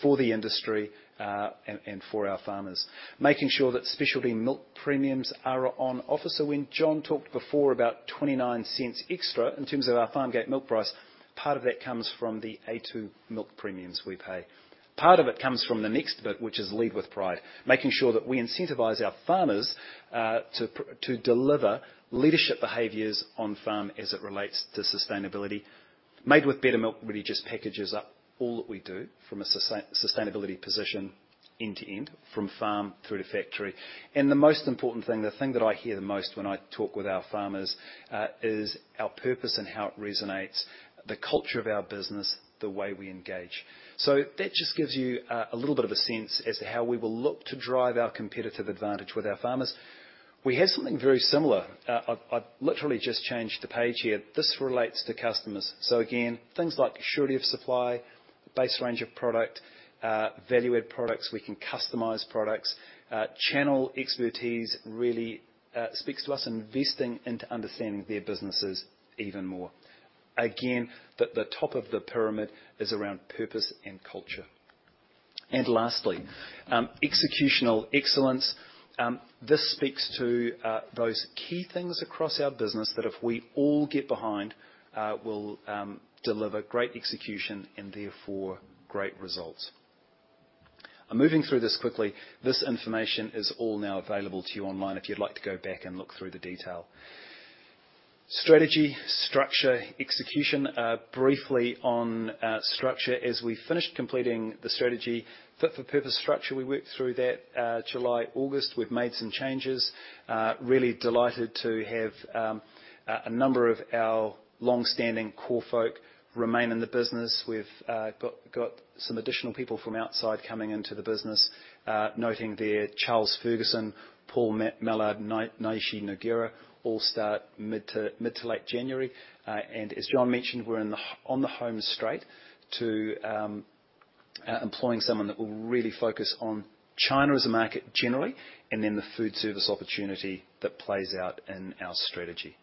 for the industry and for our farmers. Making sure that specialty milk premiums are on offer. When John talked before about 0.29 extra in terms of our farm gate milk price, part of that comes from the A2 milk premiums we pay. Part of it comes from the next bit, which is Lead With Pride, making sure that we incentivize our farmers, to deliver leadership behaviors on farm as it relates to sustainability. Made With Better Milk really just packages up all that we do from a sustainability position end to end, from farm through to factory. The most important thing, the thing that I hear the most when I talk with our farmers, is our purpose and how it resonates, the culture of our business, the way we engage. That just gives you a little bit of a sense as to how we will look to drive our competitive advantage with our farmers. We have something very similar. I've literally just changed the page here. This relates to customers. Again, things like surety of supply, base range of product, value add products. We can customize products. Channel expertise really speaks to us investing into understanding their businesses even more. Again, the top of the pyramid is around purpose and culture. Lastly, executional excellence. This speaks to those key things across our business that if we all get behind, will deliver great execution and therefore great results. I'm moving through this quickly. This information is all now available to you online if you'd like to go back and look through the detail. Strategy, structure, execution. Briefly on structure. As we finished completing the strategy fit for purpose structure, we worked through that July, August. We've made some changes. Really delighted to have a number of our long-standing core folk remain in the business. We've got some additional people from outside coming into the business. Noting there Charles Ferguson, Paul Mallard, Naiche Nogueira, all start mid to late January. As John mentioned, we're on the home straight to employing someone that will really focus on China as a market generally, and then the food service opportunity that plays out in our strategy.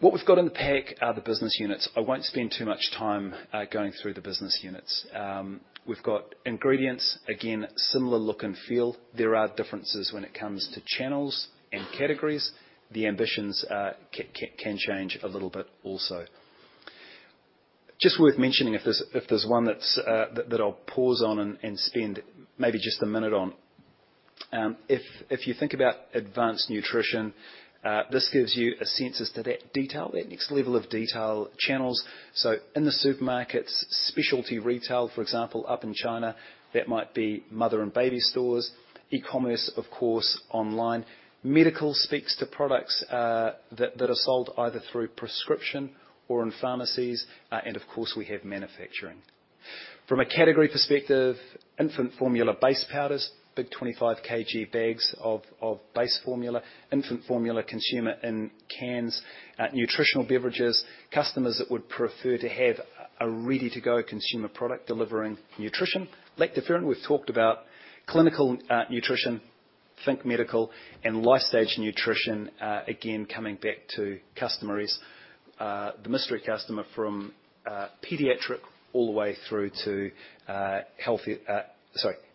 What we've got in the pack are the business units. I won't spend too much time going through the business units. We've got ingredients, again, similar look and feel. There are differences when it comes to channels and categories. The ambitions can change a little bit also. Just worth mentioning, if there's, if there's one that's that I'll pause on and spend maybe just a minute on. If you think about advanced nutrition, this gives you a sense as to that detail, that next level of detail channels. In the supermarkets, specialty retail, for example, up in China, that might be mother and baby stores, e-commerce, of course, online. Medical speaks to products that are sold either through prescription or in pharmacies, of course we have manufacturing. From a category perspective, infant formula base powders, big 25 kg bags of base formula, infant formula consumer in cans, nutritional beverages, customers that would prefer to have a ready-to-go consumer product delivering nutrition. Lactoferrin, we've talked about. Clinical nutrition. Think medical and life stage nutrition, again, coming back to customer is the mystery customer from pediatric all the way through to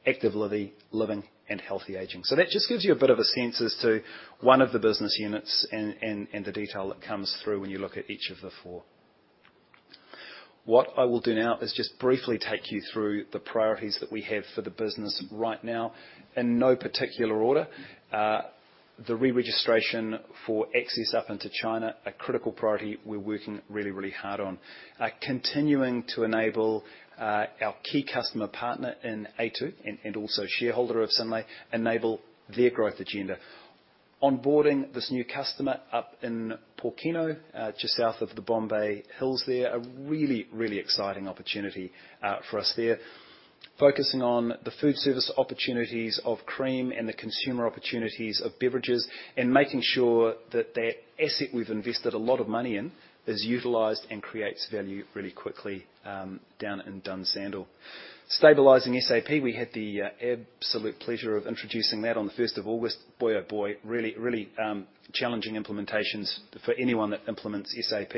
active living and healthy aging. That just gives you a bit of a sense as to one of the business units and, and the detail that comes through when you look at each of the four. What I will do now is just briefly take you through the priorities that we have for the business right now. In no particular order, the re-registration for access up into China, a critical priority we're working really, really hard on. Continuing to enable our key customer partner in A2, and also shareholder of Synlait, enable their growth agenda. Onboarding this new customer up in Pōkeno, just south of the Bombay Hills there, a really, really exciting opportunity for us there. Focusing on the food service opportunities of cream and the consumer opportunities of beverages, and making sure that that asset we've invested a lot of money in is utilized and creates value really quickly down in Dunsandel. Stabilizing SAP. We had the absolute pleasure of introducing that on the 1st of August. Boy, oh boy, really challenging implementations for anyone that implements SAP.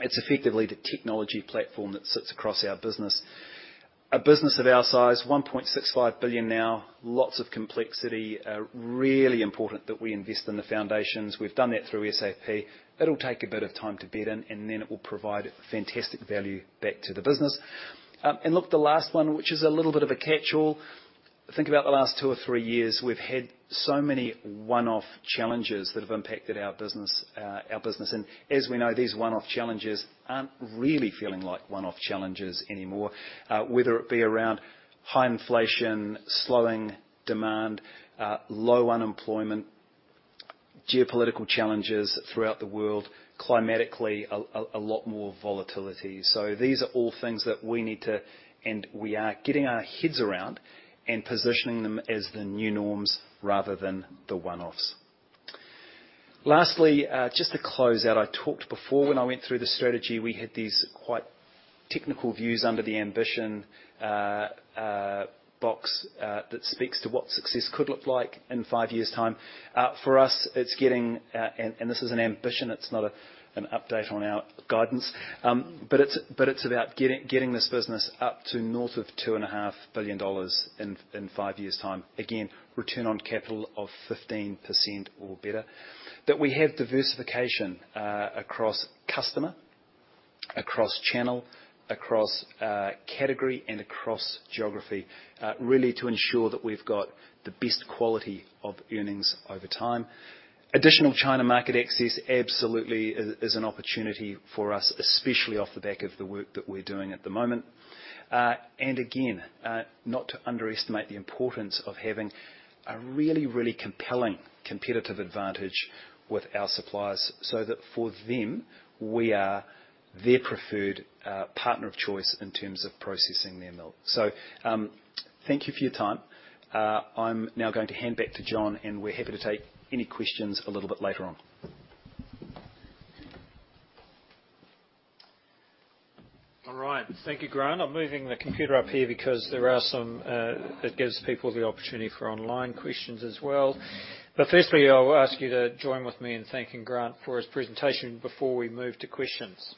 It's effectively the technology platform that sits across our business. A business of our size, 1.65 billion now, lots of complexity, really important that we invest in the foundations. We've done that through SAP. It'll take a bit of time to bed in, and then it will provide fantastic value back to the business. Look, the last one, which is a little bit of a catch-all, think about the last two or three years, we've had so many one-off challenges that have impacted our business. As we know, these one-off challenges aren't really feeling like one-off challenges anymore. Whether it be around high inflation, slowing demand, low unemployment, geopolitical challenges throughout the world, climatically a lot more volatility. These are all things that we need to, and we are getting our heads around and positioning them as the new norms rather than the one-offs. Lastly, just to close out, I talked before when I went through the strategy, we had these quite technical views under the ambition box that speaks to what success could look like in five years' time. For us, it's getting... This is an ambition, it's not an update on our guidance. It's about getting this business up to north of 2.5 billion dollars in 5 years' time. Again, return on capital of 15% or better. That we have diversification across customer, across channel, across category, and across geography, really to ensure that we've got the best quality of earnings over time. Additional China market access absolutely is an opportunity for us, especially off the back of the work that we're doing at the moment. Again, not to underestimate the importance of having a compelling competitive advantage with our suppliers so that for them, we are their preferred partner of choice in terms of processing their milk. Thank you for your time. I'm now going to hand back to John, and we're happy to take any questions a little bit later on. All right. Thank you, Grant. I'm moving the computer up here because there are some, it gives people the opportunity for online questions as well. Firstly, I'll ask you to join with me in thanking Grant for his presentation before we move to questions.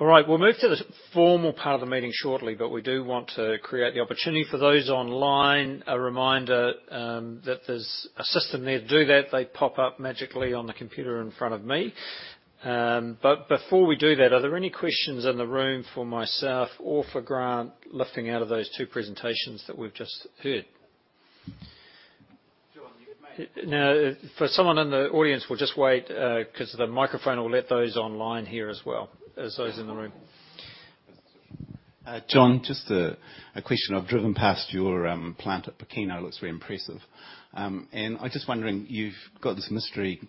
All right. We'll move to the formal part of the meeting shortly, but we do want to create the opportunity for those online, a reminder, that there's a system there to do that. They pop up magically on the computer in front of me. Before we do that, are there any questions in the room for myself or for Grant lifting out of those two presentations that we've just heard? John, Now, for someone in the audience, we'll just wait, cause the microphone will let those online hear as well as those in the room. John, just a question. I've driven past your plant at Pōkeno, looks very impressive. I'm just wondering, you've got this mystery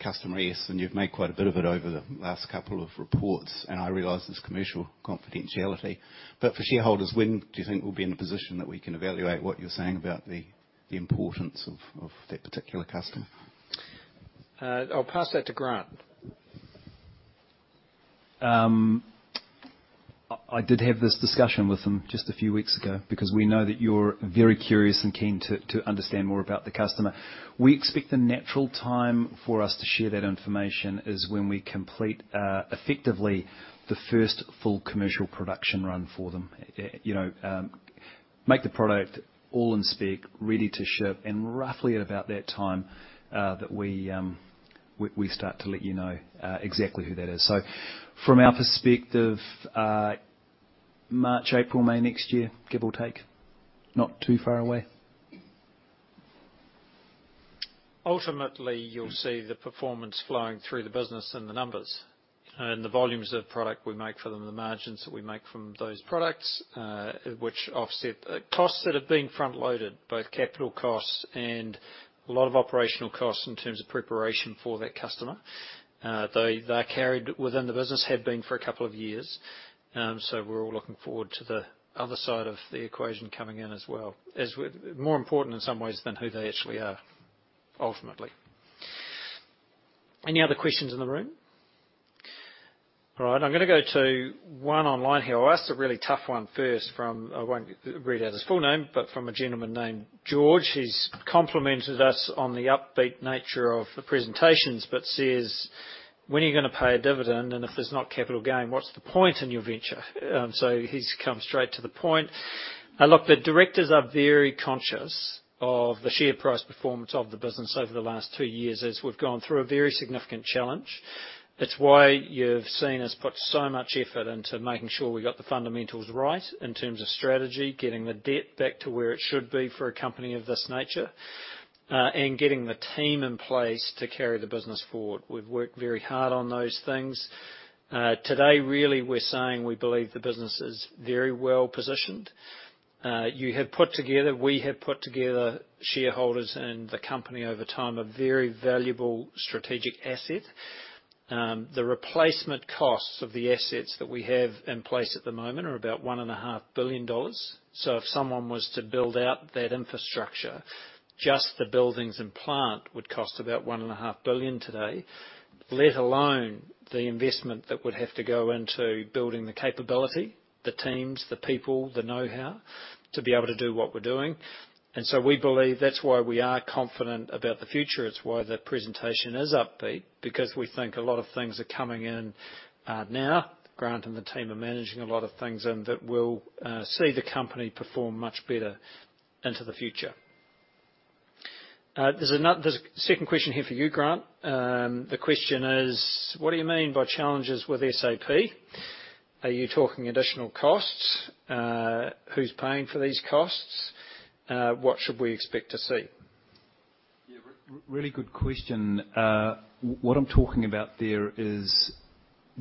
Customer S, and you've made quite a bit of it over the last couple of reports, and I realize there's commercial confidentiality. For shareholders, when do you think we'll be in a position that we can evaluate what you're saying about the importance of that particular customer? I'll pass that to Grant. I did have this discussion with them just a few weeks ago because we know that you're very curious and keen to understand more about the customer. We expect the natural time for us to share that information is when we complete effectively the first full commercial production run for them. You know, make the product all in spec, ready to ship, and roughly at about that time that we start to let you know exactly who that is. From our perspective, March, April, May next year, give or take. Not too far away. Ultimately, you'll see the performance flowing through the business in the numbers, in the volumes of product we make for them, the margins that we make from those products, which offset costs that have been front-loaded, both capital costs and a lot of operational costs in terms of preparation for that customer. They are carried within the business, have been for a couple of years. We're all looking forward to the other side of the equation coming in as well. More important in some ways than who they actually are, ultimately. Any other questions in the room? All right, I'm gonna go to one online here. I'll ask a really tough one first from, I won't read out his full name, but from a gentleman named George. He's complimented us on the upbeat nature of the presentations, says, "When are you gonna pay a dividend? If there's not capital gain, what's the point in your venture?" He's come straight to the point. Look, the directors are very conscious of the share price performance of the business over the last 2 years, as we've gone through a very significant challenge. It's why you've seen us put so much effort into making sure we got the fundamentals right in terms of strategy, getting the debt back to where it should be for a company of this nature, getting the team in place to carry the business forward. We've worked very hard on those things. Today, really, we're saying we believe the business is very well-positioned. We have put together, shareholders and the company over time, a very valuable strategic asset. The replacement costs of the assets that we have in place at the moment are about $1.5 billion. If someone was to build out that infrastructure, just the buildings and plant would cost about $1.5 billion today, let alone the investment that would have to go into building the capability, the teams, the people, the know-how to be able to do what we're doing. We believe that's why we are confident about the future. It's why the presentation is upbeat because we think a lot of things are coming in now. Grant and the team are managing a lot of things, and that will see the company perform much better into the future. There's a second question here for you, Grant. The question is: What do you mean by challenges with SAP? Are you talking additional costs? Who's paying for these costs? What should we expect to see? Yeah, really good question. What I'm talking about there is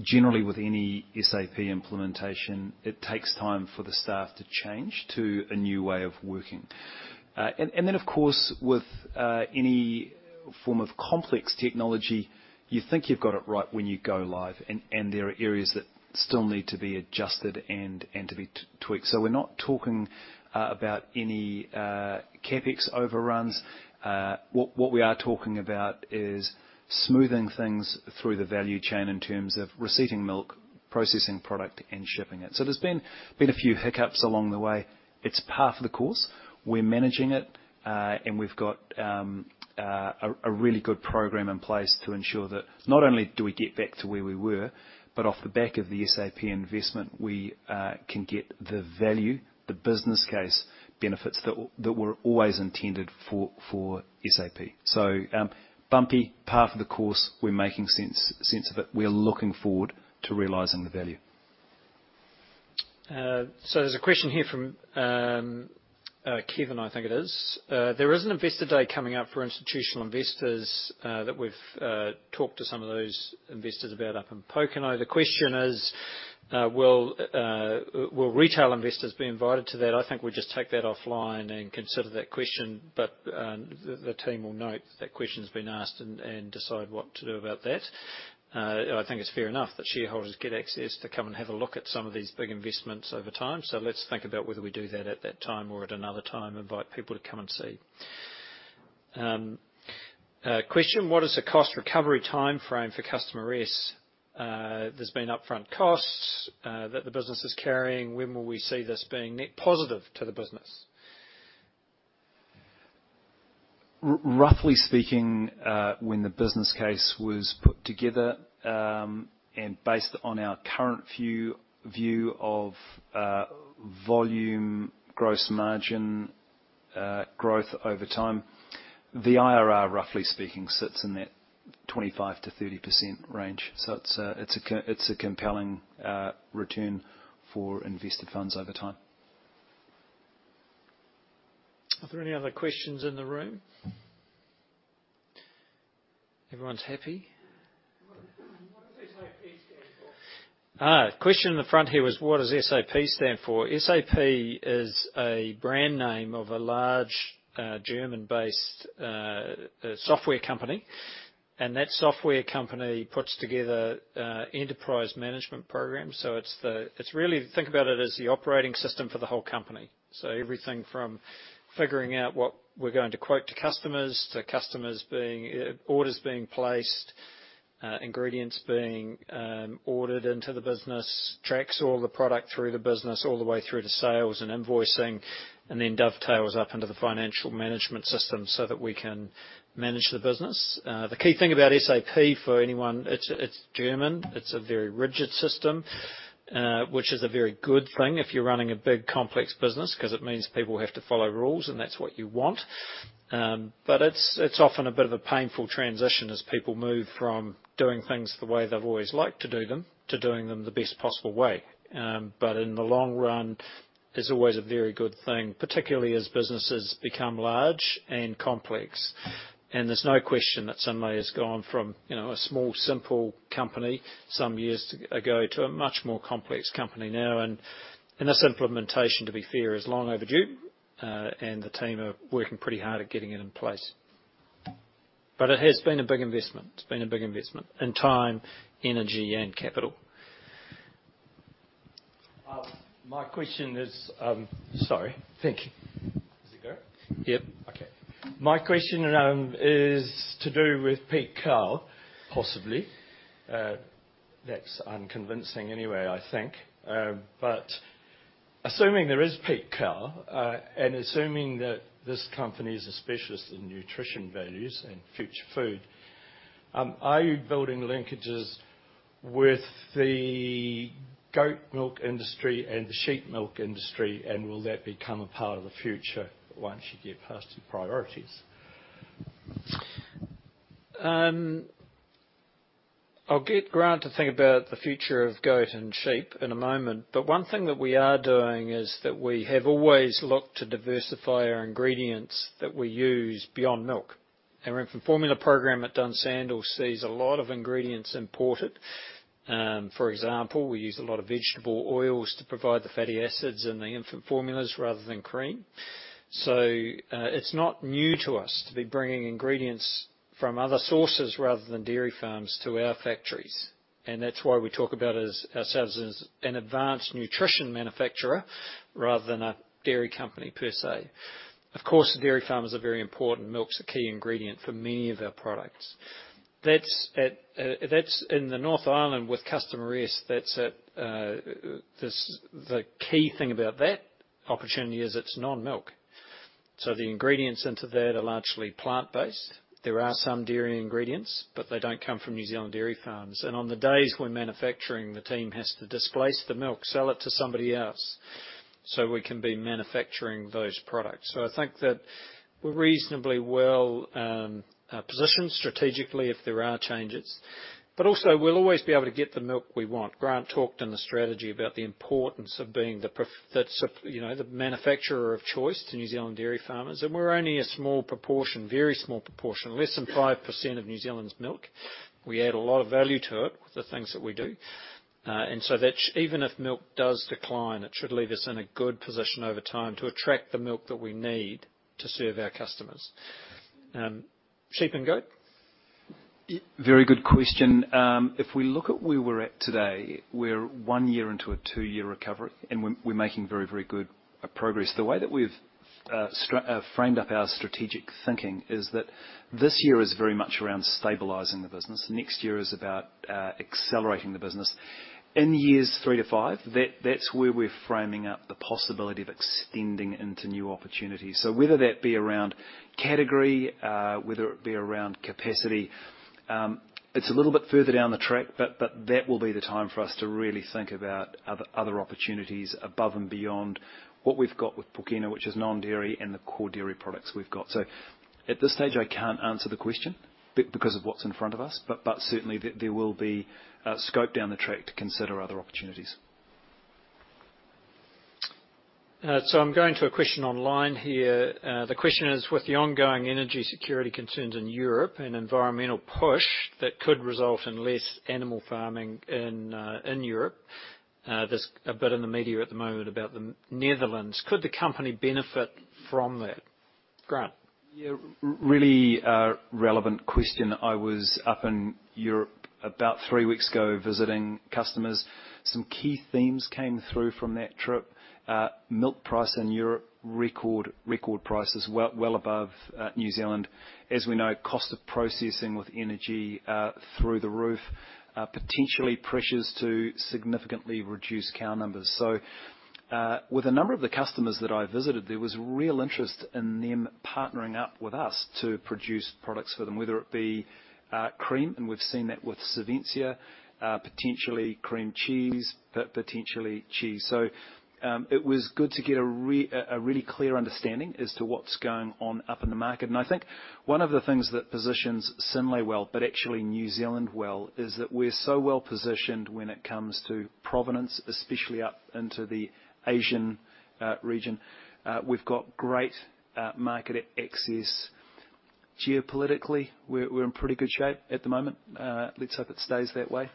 generally with any SAP implementation, it takes time for the staff to change to a new way of working. And then, of course, with any form of complex technology, you think you've got it right when you go live, and there are areas that still need to be adjusted and to be tweaked. We're not talking about any CapEx overruns. What we are talking about is smoothing things through the value chain in terms of receiving milk, processing product, and shipping it. There's been a few hiccups along the way. It's par for the course. We're managing it, and we've got a really good program in place to ensure that not only do we get back to where we were, but off the back of the SAP investment, we can get the value, the business case benefits that were always intended for SAP. Bumpy, par for the course, we're making sense of it. We're looking forward to realizing the value. There's a question here from Kevin, I think it is. There is an investor day coming up for institutional investors that we've talked to some of those investors about up in Pōkeno. The question is, will retail investors be invited to that? I think we just take that offline and consider that question. The team will note that question's been asked and decide what to do about that. I think it's fair enough that shareholders get access to come and have a look at some of these big investments over time. Let's think about whether we do that at that time or at another time, invite people to come and see. Question: What is the cost recovery timeframe for Customer S? There's been upfront costs that the business is carrying. When will we see this being net positive to the business? Roughly speaking, when the business case was put together, and based on our current view of volume, gross margin, growth over time, the IRR, roughly speaking, sits in that 25%-30% range. It's a compelling return for invested funds over time. Are there any other questions in the room? Everyone's happy? What does SAP stand for? Question in the front here was: What does SAP stand for? SAP is a brand name of a large, German-based, software company. That software company puts together enterprise management programs. It's really, think about it as the operating system for the whole company. Everything from figuring out what we're going to quote to customers, to customers being, orders being placed, ingredients being ordered into the business, tracks all the product through the business, all the way through to sales and invoicing. Then dovetails up into the financial management system so that we can manage the business. The key thing about SAP for anyone, it's German. It's a very rigid system, which is a very good thing if you're running a big, complex business cause it means people have to follow rules, and that's what you want. It's often a bit of a painful transition as people move from doing things the way they've always liked to do them to doing them the best possible way. In the long run, it's always a very good thing, particularly as businesses become large and complex. There's no question that Synlait has gone from, you know, a small, simple company some years ago to a much more complex company now. This implementation, to be fair, is long overdue, and the team are working pretty hard at getting it in place. It has been a big investment. It's been a big investment in time, energy, and capital. My question is, sorry. Thank you. Does it go? Yep. Okay. My question is to do with peak cow, possibly. That's unconvincing anyway, I think. Assuming there is peak cow, and assuming that this company is a specialist in nutrition values and future food, are you building linkages with the goat milk industry and the sheep milk industry, and will that become a part of the future once you get past your priorities? I'll get Grant to think about the future of goat and sheep in a moment. One thing that we are doing is that we have always looked to diversify our ingredients that we use beyond milk. Our infant formula program at Dunsandel sees a lot of ingredients imported. For example, we use a lot of vegetable oils to provide the fatty acids in the infant formulas rather than cream. It's not new to us to be bringing ingredients from other sources rather than dairy farms to our factories, and that's why we talk about as, ourselves as an advanced nutrition manufacturer rather than a dairy company per se. Of course, dairy farmers are very important. Milk's a key ingredient for many of our products. That's at, that's in the North Island with Customer S, that's at, the key thing about that opportunity is it's non-milk. The ingredients into that are largely plant-based. There are some dairy ingredients, but they don't come from New Zealand dairy farms. On the days we're manufacturing, the team has to displace the milk, sell it to somebody else, so we can be manufacturing those products. I think that we're reasonably well positioned strategically if there are changes. Also, we'll always be able to get the milk we want. Grant talked in the strategy about the importance of being the manufacturer of choice to New Zealand dairy farmers, and we're only a small proportion, very small proportion, less than 5% of New Zealand's milk. We add a lot of value to it with the things that we do. Even if milk does decline, it should leave us in a good position over time to attract the milk that we need to serve our customers. Sheep and goat? Very good question. If we look at where we're at today, we're 1 year into a 2-year recovery, and we're making very, very good progress. The way that we've framed up our strategic thinking is that this year is very much around stabilizing the business. Next year is about accelerating the business. In years 3 to 5, that's where we're framing up the possibility of extending into new opportunities. Whether that be around category, whether it be around capacity, it's a little bit further down the track, but that will be the time for us to really think about other opportunities above and beyond what we've got with Pōkeno, which is non-dairy and the core dairy products we've got. At this stage, I can't answer the question because of what's in front of us, but certainly there will be scope down the track to consider other opportunities. I'm going to a question online here. The question is: With the ongoing energy security concerns in Europe and environmental push that could result in less animal farming in Europe, there's a bit in the media at the moment about the Netherlands. Could the company benefit from that, Grant? Yeah. Really, relevant question. I was up in Europe about three weeks ago visiting customers. Some key themes came through from that trip. Milk price in Europe, record prices, well above New Zealand. As we know, cost of processing with energy, through the roof. Potentially pressures to significantly reduce cow numbers. With a number of the customers that I visited, there was real interest in them partnering up with us to produce products for them, whether it be cream, and we've seen that with Savencia, potentially cream cheese, potentially cheese. It was good to get a really clear understanding as to what's going on up in the market. I think one of the things that positions Synlait well, but actually New Zealand well, is that we're so well positioned when it comes to provenance, especially up into the Asian region. We've got great market access. Geopolitically, we're in pretty good shape at the moment. Let's hope it stays that way.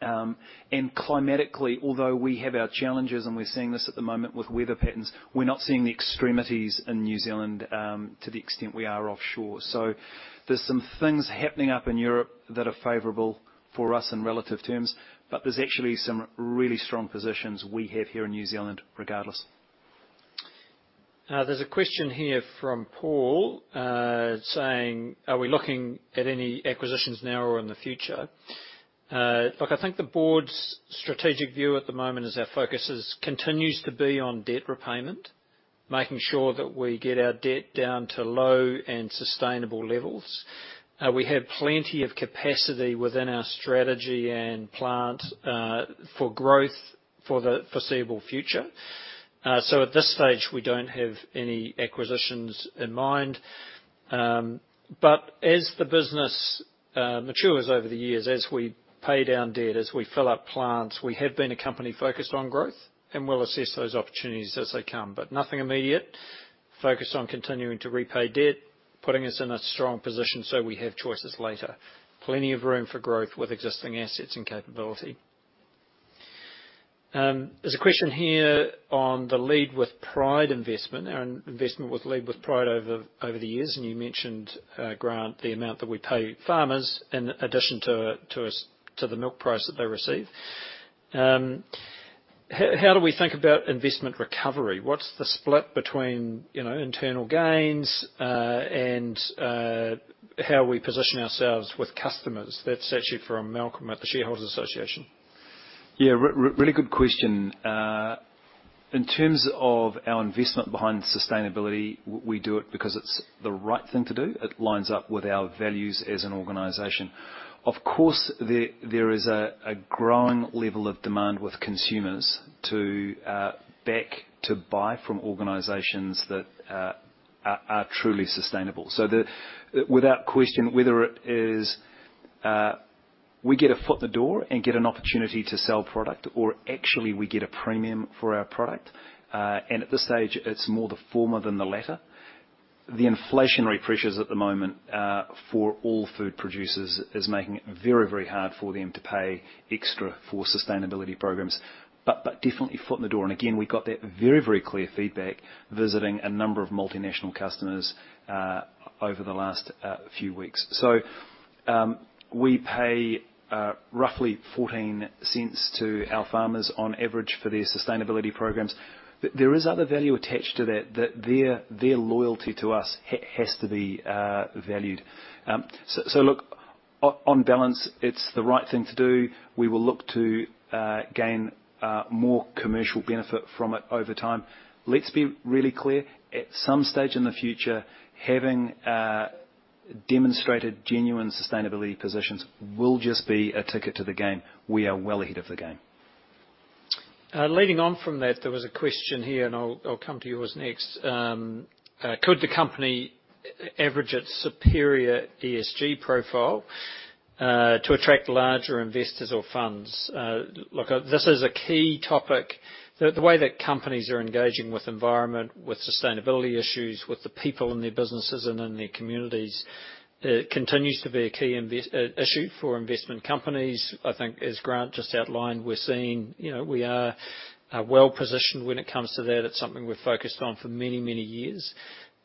And climatically, although we have our challenges and we're seeing this at the moment with weather patterns, we're not seeing the extremities in New Zealand to the extent we are offshore. There's some things happening up in Europe that are favorable for us in relative terms, but there's actually some really strong positions we have here in New Zealand regardless. There's a question here from Paul, saying, "Are we looking at any acquisitions now or in the future?" Look, I think the board's strategic view at the moment is our focus continues to be on debt repayment, making sure that we get our debt down to low and sustainable levels. We have plenty of capacity within our strategy and plant for growth for the foreseeable future. At this stage, we don't have any acquisitions in mind. As the business matures over the years, as we pay down debt, as we fill up plants, we have been a company focused on growth, and we'll assess those opportunities as they come. Nothing immediate. Focused on continuing to repay debt, putting us in a strong position so we have choices later. Plenty of room for growth with existing assets and capability. There's a question here on the Lead With Pride investment, our investment with Lead With Pride over the years, you mentioned Grant, the amount that we pay farmers in addition to the milk price that they receive. How do we think about investment recovery? What's the split between, you know, internal gains and how we position ourselves with customers? That's actually from Malcolm at the New Zealand Shareholders' Association. Yeah, really good question. In terms of our investment behind sustainability, we do it because it's the right thing to do. It lines up with our values as an organization. There is a growing level of demand with consumers to back to buy from organizations that are truly sustainable. Without question, whether it is, we get a foot in the door and get an opportunity to sell product, or actually we get a premium for our product. At this stage, it's more the former than the latter. The inflationary pressures at the moment, for all food producers is making it very hard for them to pay extra for sustainability programs. Definitely foot in the door. Again, we got that very, very clear feedback visiting a number of multinational customers over the last few weeks. We pay roughly 0.14 to our farmers on average for their sustainability programs. There is other value attached to that their loyalty to us has to be valued. Look, on balance, it's the right thing to do. We will look to gain more commercial benefit from it over time. Let's be really clear. At some stage in the future, having demonstrated genuine sustainability positions will just be a ticket to the game. We are well ahead of the game. Leading on from that, there was a question here, and I'll come to yours next. Could the company average its superior ESG profile to attract larger investors or funds? Look, this is a key topic. The way that companies are engaging with environment, with sustainability issues, with the people in their businesses and in their communities, continues to be a key issue for investment companies. I think as Grant just outlined, we're seeing, you know, we are well-positioned when it comes to that. It's something we're focused on for many, many years.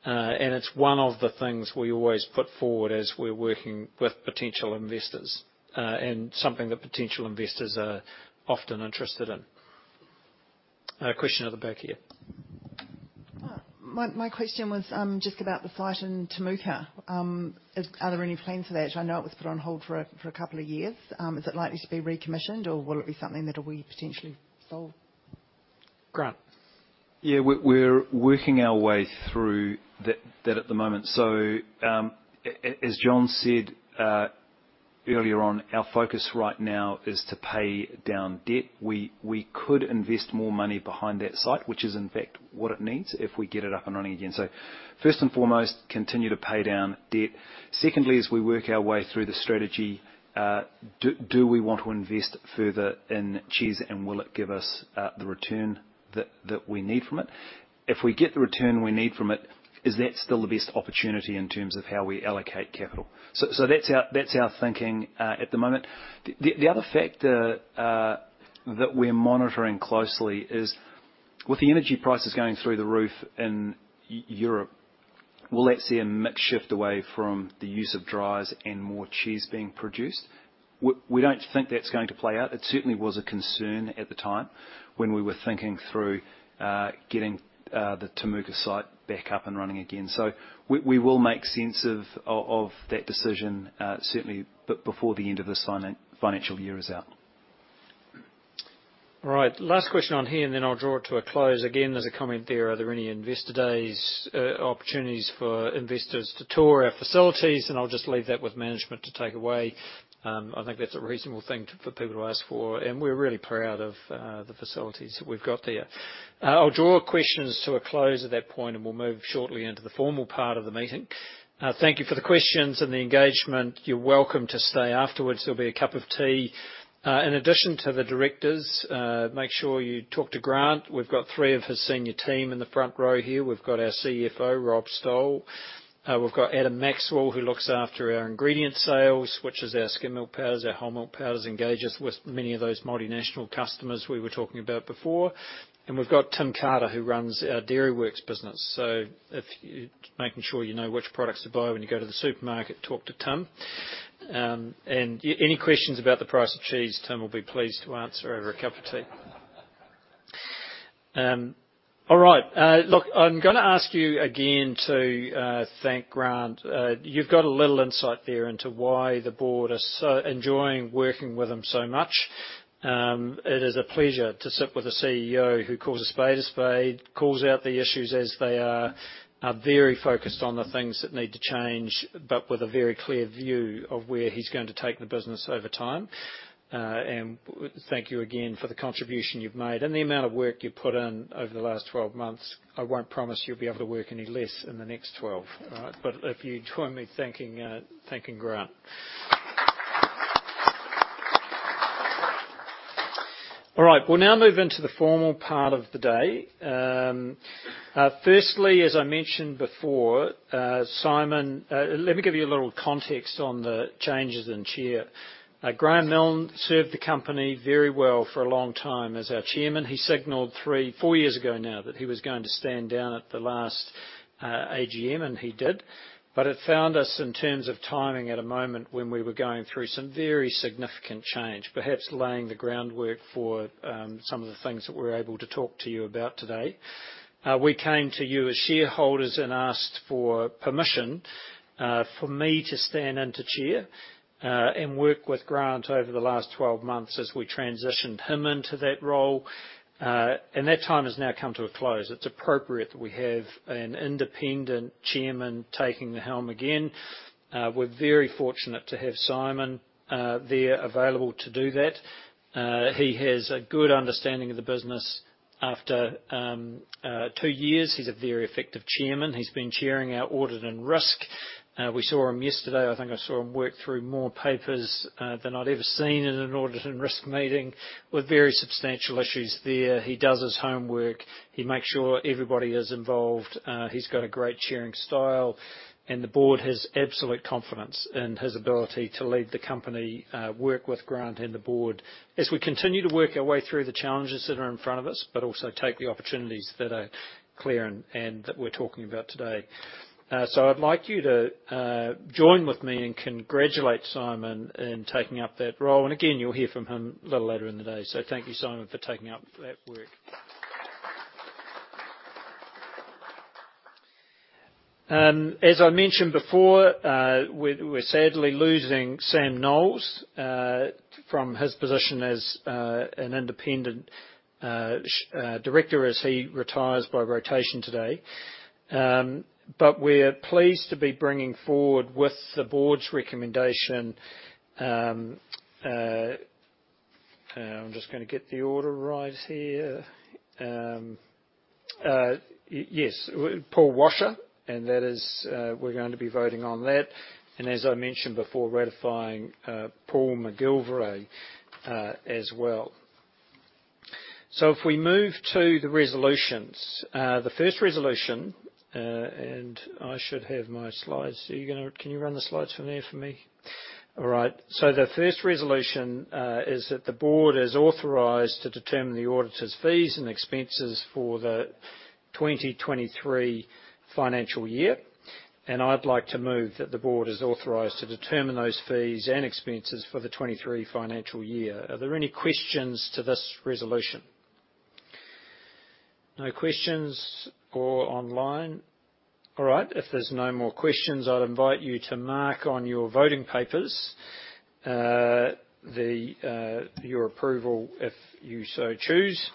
It's one of the things we always put forward as we're working with potential investors and something that potential investors are often interested in. Question at the back here. My question was just about the site in Temuka. Are there any plans for that? I know it was put on hold for a couple of years. Is it likely to be recommissioned or will it be something that will be potentially sold? Grant. Yeah. We're working our way through that at the moment. As John said, earlier on, our focus right now is to pay down debt. We could invest more money behind that site, which is in fact what it needs if we get it up and running again. First and foremost, continue to pay down debt. Secondly, as we work our way through the strategy, do we want to invest further in cheese and will it give us the return that we need from it? If we get the return we need from it, is that still the best opportunity in terms of how we allocate capital? That's our thinking at the moment. The other factor that we're monitoring closely is, with the energy prices going through the roof in Europe, will that see a mix shift away from the use of dryers and more cheese being produced? We don't think that's going to play out. It certainly was a concern at the time when we were thinking through getting the Temuka site back up and running again. We will make sense of that decision certainly before the end of this financial year is out. All right. Last question on here, and then I'll draw it to a close. Again, there's a comment there. Are there any investor days, opportunities for investors to tour our facilities? I'll just leave that with management to take away. I think that's a reasonable thing for people to ask for, and we're really proud of, the facilities that we've got there. I'll draw questions to a close at that point, and we'll move shortly into the formal part of the meeting. Thank you for the questions and the engagement. You're welcome to stay afterwards. There'll be a cup of tea. In addition to the directors, make sure you talk to Grant. We've got three of his senior team in the front row here. We've got our CFO, Rob Stowell. We've got Adam Maxwell, who looks after our ingredient sales, which is our skim milk powders, our whole milk powders, engages with many of those multinational customers we were talking about before. We've got Tim Carter, who runs our Dairyworks business. Making sure you know which products to buy when you go to the supermarket, talk to Tim. Any questions about the price of cheese, Tim will be pleased to answer over a cup of tea. All right. Look, I'm gonna ask you again to thank Grant. You've got a little insight there into why the board are so enjoying working with him so much. It is a pleasure to sit with a CEO who calls a spade a spade, calls out the issues as they are very focused on the things that need to change, but with a very clear view of where he's going to take the business over time. Thank you again for the contribution you've made and the amount of work you've put in over the last 12 months. I won't promise you'll be able to work any less in the next 12. If you join me thanking Grant. All right. We'll now move into the formal part of the day. Firstly, as I mentioned before, Simon, let me give you a little context on the changes in chair. Graeme Milne served the company very well for a long time as our chairman. He signaled three, four years ago now that he was going to stand down at the last AGM, and he did. It found us in terms of timing at a moment when we were going through some very significant change, perhaps laying the groundwork for some of the things that we're able to talk to you about today. We came to you as shareholders and asked for permission for me to stand in to chair and work with Grant over the last 12 months as we transitioned him into that role. That time has now come to a close. It's appropriate that we have an independent chairman taking the helm again. We're very fortunate to have Simon there available to do that. He has a good understanding of the business after two years. He's a very effective chairman. He's been chairing our Audit and Risk. We saw him yesterday. I think I saw him work through more papers than I'd ever seen in an Audit and Risk meeting with very substantial issues there. He does his homework. He makes sure everybody is involved. He's got a great chairing style, and the board has absolute confidence in his ability to lead the company, work with Grant and the board as we continue to work our way through the challenges that are in front of us, but also take the opportunities that are clear and that we're talking about today. I'd like you to join with me and congratulate Simon in taking up that role. Again, you'll hear from him a little later in the day. Thank you, Simon, for taking up that work. As I mentioned before, we're sadly losing Sam Knowles from his position as an independent director as he retires by rotation today. We're pleased to be bringing forward with the board's recommendation. I'm just gonna get the order right here. Paul Washer, and that is, we're going to be voting on that. As I mentioned before, ratifying Paul McGilvary as well. If we move to the resolutions, the first resolution, I should have my slides. Can you run the slides from there for me? All right. The first resolution is that the board is authorized to determine the auditor's fees and expenses for the 2023 financial year. I'd like to move that the board is authorized to determine those fees and expenses for the 23 financial year. Are there any questions to this resolution? No questions or online? All right. If there's no more questions, I'd invite you to mark on your voting papers, the, your approval if you so choose,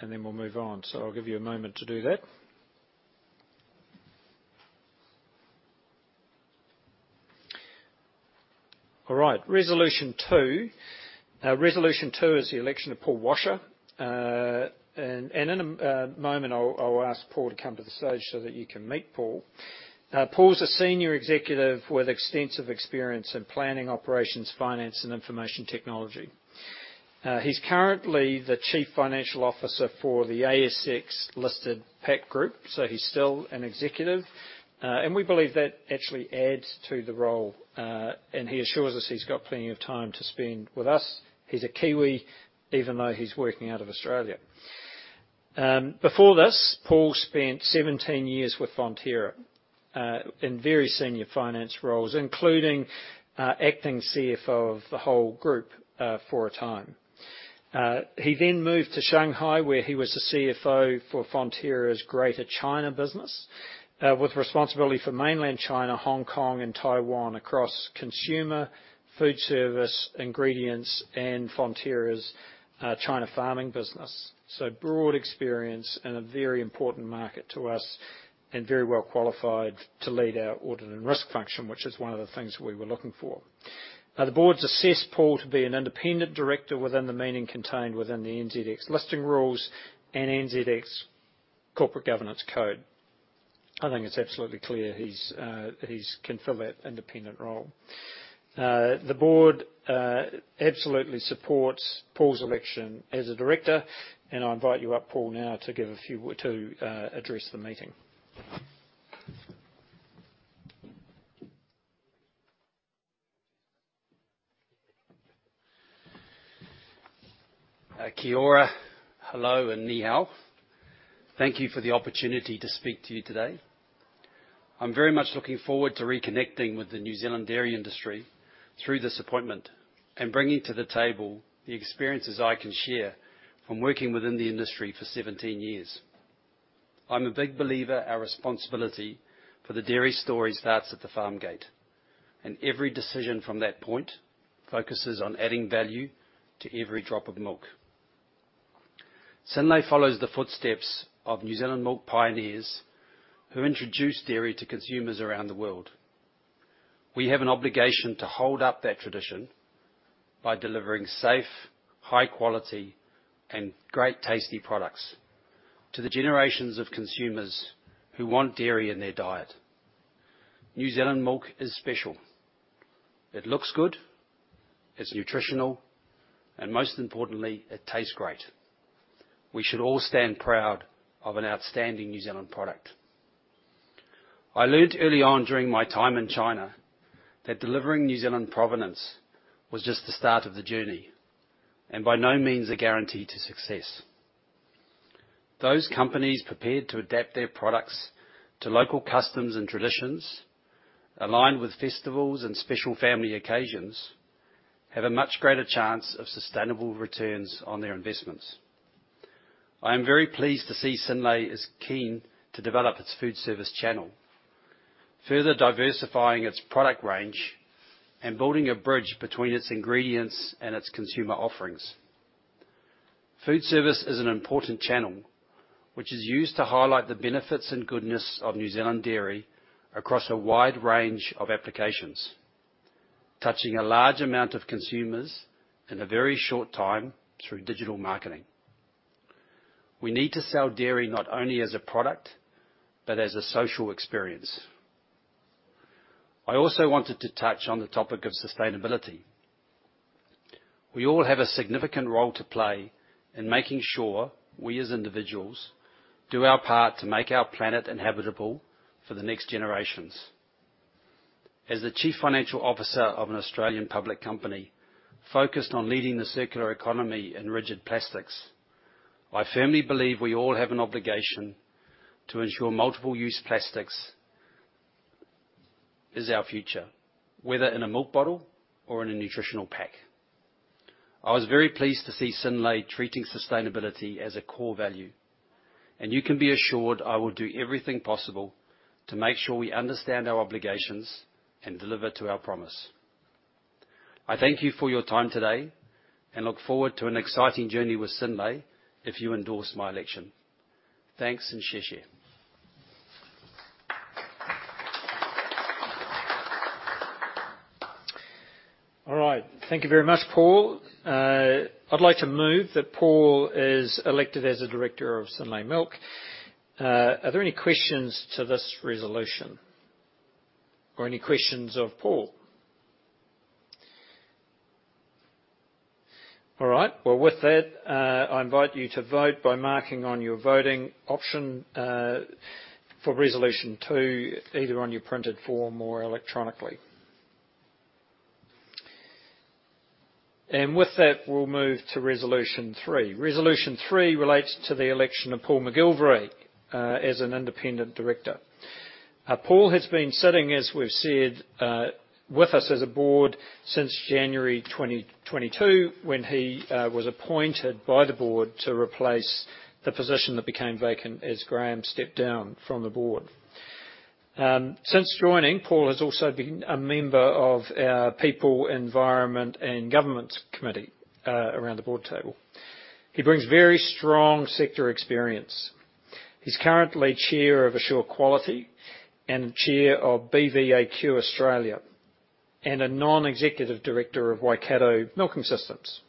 and then we'll move on. I'll give you a moment to do that. All right. Resolution 2. Resolution 2 is the election of Paul Washer. In a moment, I'll ask Paul to come to the stage so that you can meet Paul. Paul's a senior executive with extensive experience in planning operations, finance, and information technology. He's currently the chief financial officer for the ASX-listed Pact Group, so he's still an executive. We believe that actually adds to the role, and he assures us he's got plenty of time to spend with us. He's a Kiwi, even though he's working out of Australia. Before this, Paul spent 17 years with Fonterra, in very senior finance roles, including acting CFO of the whole group for a time. He then moved to Shanghai, where he was the CFO for Fonterra's Greater China business, with responsibility for Mainland China, Hong Kong, and Taiwan across consumer, food service, ingredients, and Fonterra's China farming business. Broad experience in a very important market to us and very well qualified to lead our Audit and Risk function, which is one of the things we were looking for. Now, the board's assessed Paul to be an independent director within the meaning contained within the NZX Listing Rules and NZX Corporate Governance Code. I think it's absolutely clear he's can fill that independent role. The board absolutely supports Paul's election as a director, and I invite you up, Paul, now to give a few to address the meeting. [Kia ora, hello, nǐ hǎo]. Thank you for the opportunity to speak to you today. I'm very much looking forward to reconnecting with the New Zealand dairy industry through this appointment and bringing to the table the experiences I can share from working within the industry for 17 years. I'm a big believer our responsibility for the dairy story starts at the farm gate, and every decision from that point focuses on adding value to every drop of milk. Synlait follows the footsteps of New Zealand milk pioneers who introduced dairy to consumers around the world. We have an obligation to hold up that tradition by delivering safe, high quality, and great tasty products to the generations of consumers who want dairy in their diet. New Zealand milk is special. It looks good, it's nutritional, and most importantly, it tastes great. We should all stand proud of an outstanding New Zealand product. I learned early on during my time in China that delivering New Zealand provenance was just the start of the journey, and by no means a guarantee to success. Those companies prepared to adapt their products to local customs and traditions, aligned with festivals and special family occasions, have a much greater chance of sustainable returns on their investments. I am very pleased to see Synlait is keen to develop its food service channel, further diversifying its product range and building a bridge between its ingredients and its consumer offerings. Food service is an important channel which is used to highlight the benefits and goodness of New Zealand dairy across a wide range of applications, touching a large amount of consumers in a very short time through digital marketing. We need to sell dairy not only as a product, but as a social experience. I also wanted to touch on the topic of sustainability. We all have a significant role to play in making sure we, as individuals, do our part to make our planet inhabitable for the next generations. As the Chief Financial Officer of an Australian public company focused on leading the circular economy in rigid plastics, I firmly believe we all have an obligation to ensure multiple use plastics is our future, whether in a milk bottle or in a nutritional pack. I was very pleased to see Synlait treating sustainability as a core value, and you can be assured I will do everything possible to make sure we understand our obligations and deliver to our promise. I thank you for your time today and look forward to an exciting journey with Synlait if you endorse my election. Thanks, and xie xie. All right. Thank you very much, Paul. I'd like to move that Paul is elected as a director of Synlait Milk. Are there any questions to this resolution or any questions of Paul? All right. Well, with that, I invite you to vote by marking on your voting option for resolution two, either on your printed form or electronically. With that, we'll move to resolution three. Resolution three relates to the election of Paul McGilvary as an independent director. Paul has been sitting, as we've said, with us as a board since January 2022, when he was appointed by the board to replace the position that became vacant as Graeme stepped down from the board. Since joining, Paul has also been a member of our People, Environment and Governance Committee around the board table. He brings very strong sector experience. He is currently Chair of AsureQuality and Chair of BVAQ Australia, and a non-executive director of Waikato Milking Systems.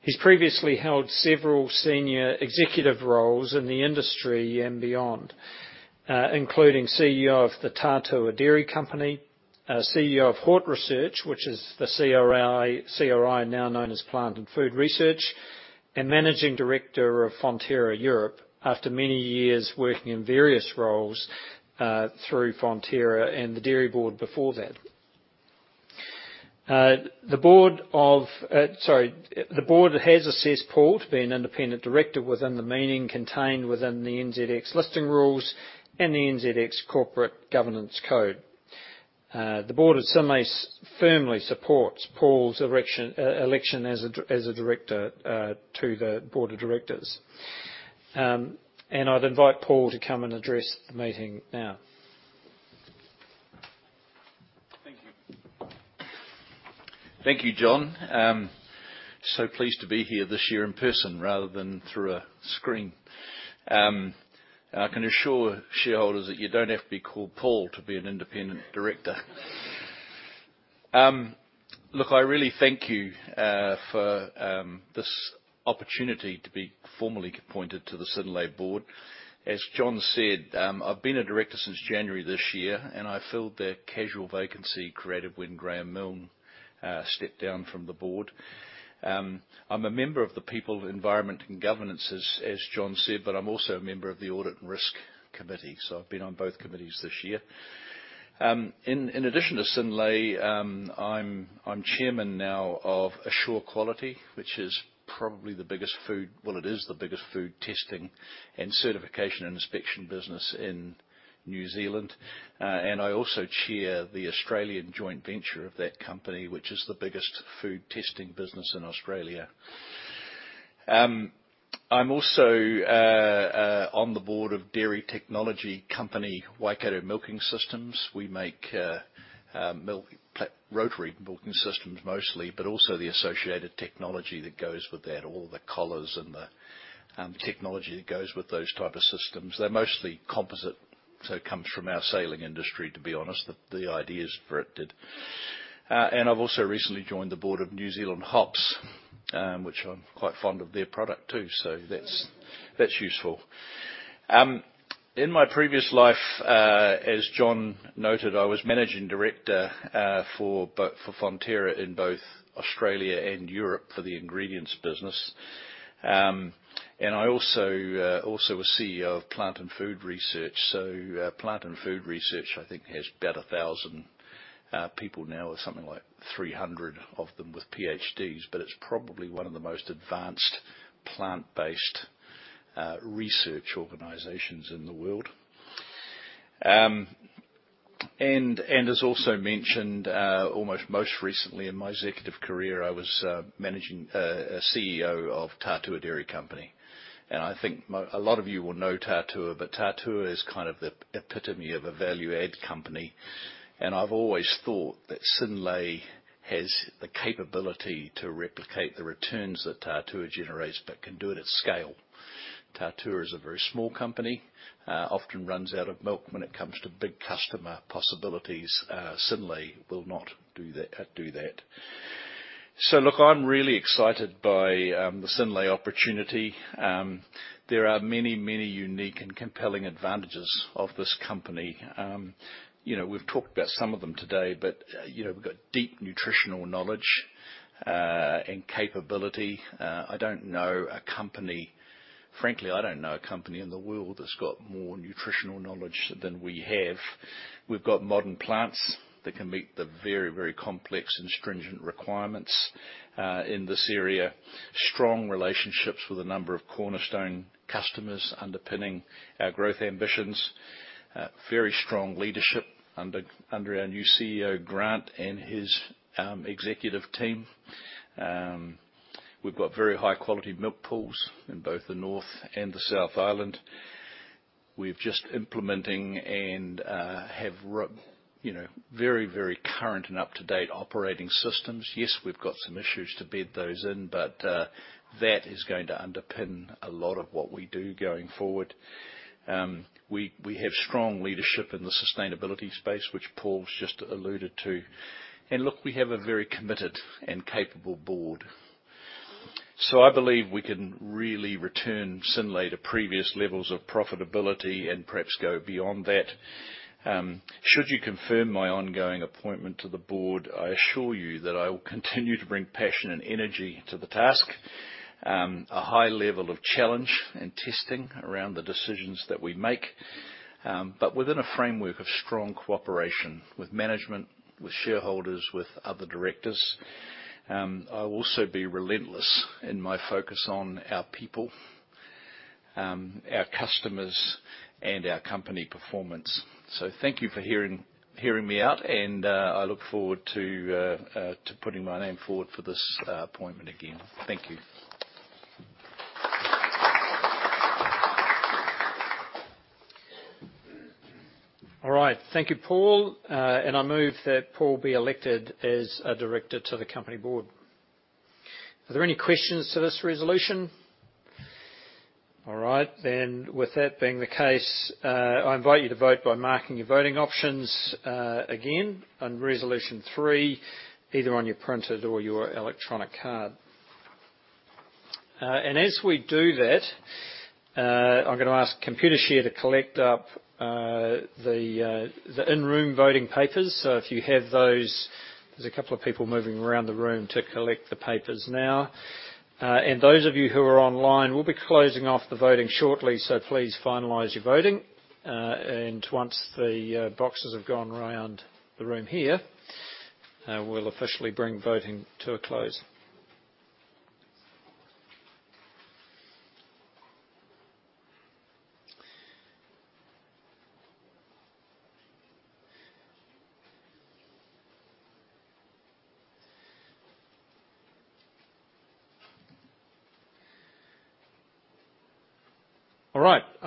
He has previously held several senior executive roles in the industry and beyond, including CEO of the Tatua Dairy Company, CEO of HortResearch, which is the CRI now known as Plant & Food Research, and Managing Director of Fonterra Europe after many years working in various roles through Fonterra and the Dairy Board before that. The board of, sorry, the board has assessed Paul to be an independent director within the meaning contained within the NZX Listing Rules and the NZX Corporate Governance Code. The board of Synlait firmly supports Paul's election as a director to the board of directors. I'd invite Paul to come and address the meeting now. Thank you. Thank you, John. So pleased to be here this year in person rather than through a screen. I can assure shareholders that you don't have to be called Paul to be an independent director. Look, I really thank you for this opportunity to be formally appointed to the Synlait board. As John said, I've been a director since January this year, and I filled their casual vacancy created when Graeme Milne stepped down from the board. I'm a member of the People, Environment and Governance, as John said, but I'm also a member of the Audit and Risk Committee, so I've been on both committees this year. In addition to Synlait, I'm chairman now of AsureQuality, which is probably the biggest food... It is the biggest food testing and certification and inspection business in New Zealand. I also chair the Australian joint venture of that company, which is the biggest food testing business in Australia. I'm also on the board of dairy technology company, Waikato Milking Systems. We make rotary milking systems mostly, but also the associated technology that goes with that, all the collars and the technology that goes with those type of systems. They're mostly composite, it comes from our sailing industry, to be honest, the ideas for it did. I've also recently joined the board of New Zealand Hops, which I'm quite fond of their product too. That's, that's useful. In my previous life, as John noted, I was managing director for Fonterra in both Australia and Europe for the ingredients business. I also was CEO of Plant & Food Research. Plant & Food Research, I think has about 1,000 people now, with something like 300 of them with PhDs, but it's probably one of the most advanced plant-based research organizations in the world. As also mentioned, almost most recently in my executive career, I was managing CEO of Tatua Dairy Company. I think a lot of you will know Tatua, but Tatua is kind of the epitome of a value add company, and I've always thought that Synlait has the capability to replicate the returns that Tatua generates, but can do it at scale. Tatua is a very small company, often runs out of milk when it comes to big customer possibilities, Synlait will not do that. Look, I'm really excited by the Synlait opportunity. There are many, many unique and compelling advantages of this company. You know, we've talked about some of them today, but, you know, we've got deep nutritional knowledge and capability. Frankly, I don't know a company in the world that's got more nutritional knowledge than we have. We've got modern plants that can meet the very, very complex and stringent requirements in this area. Strong relationships with a number of cornerstone customers underpinning our growth ambitions. Very strong leadership under our new CEO, Grant, and his executive team. We've got very high quality milk pools in both the North and the South Island. We're just implementing and, you know, very current and up-to-date operating systems. Yes, we've got some issues to bed those in. That is going to underpin a lot of what we do going forward. We have strong leadership in the sustainability space, which Paul's just alluded to. Look, we have a very committed and capable board. I believe we can really return Synlait to previous levels of profitability and perhaps go beyond that. Should you confirm my ongoing appointment to the board, I assure you that I will continue to bring passion and energy to the task. A high level of challenge and testing around the decisions that we make. Within a framework of strong cooperation with management, with shareholders, with other directors. I will also be relentless in my focus on our people, our customers, and our company performance. Thank you for hearing me out, and I look forward to putting my name forward for this appointment again. Thank you. All right. Thank you, Paul. I move that Paul be elected as a director to the company board. Are there any questions to this resolution? All right. With that being the case, I invite you to vote by marking your voting options, again on resolution 3, either on your printed or your electronic card. As we do that, I'm gonna ask Computershare to collect up, the in-room voting papers. If you have those, there's a couple of people moving around the room to collect the papers now. And those of you who are online, we'll be closing off the voting shortly, so please finalize your voting. And once the boxes have gone around the room here, we'll officially bring voting to a close.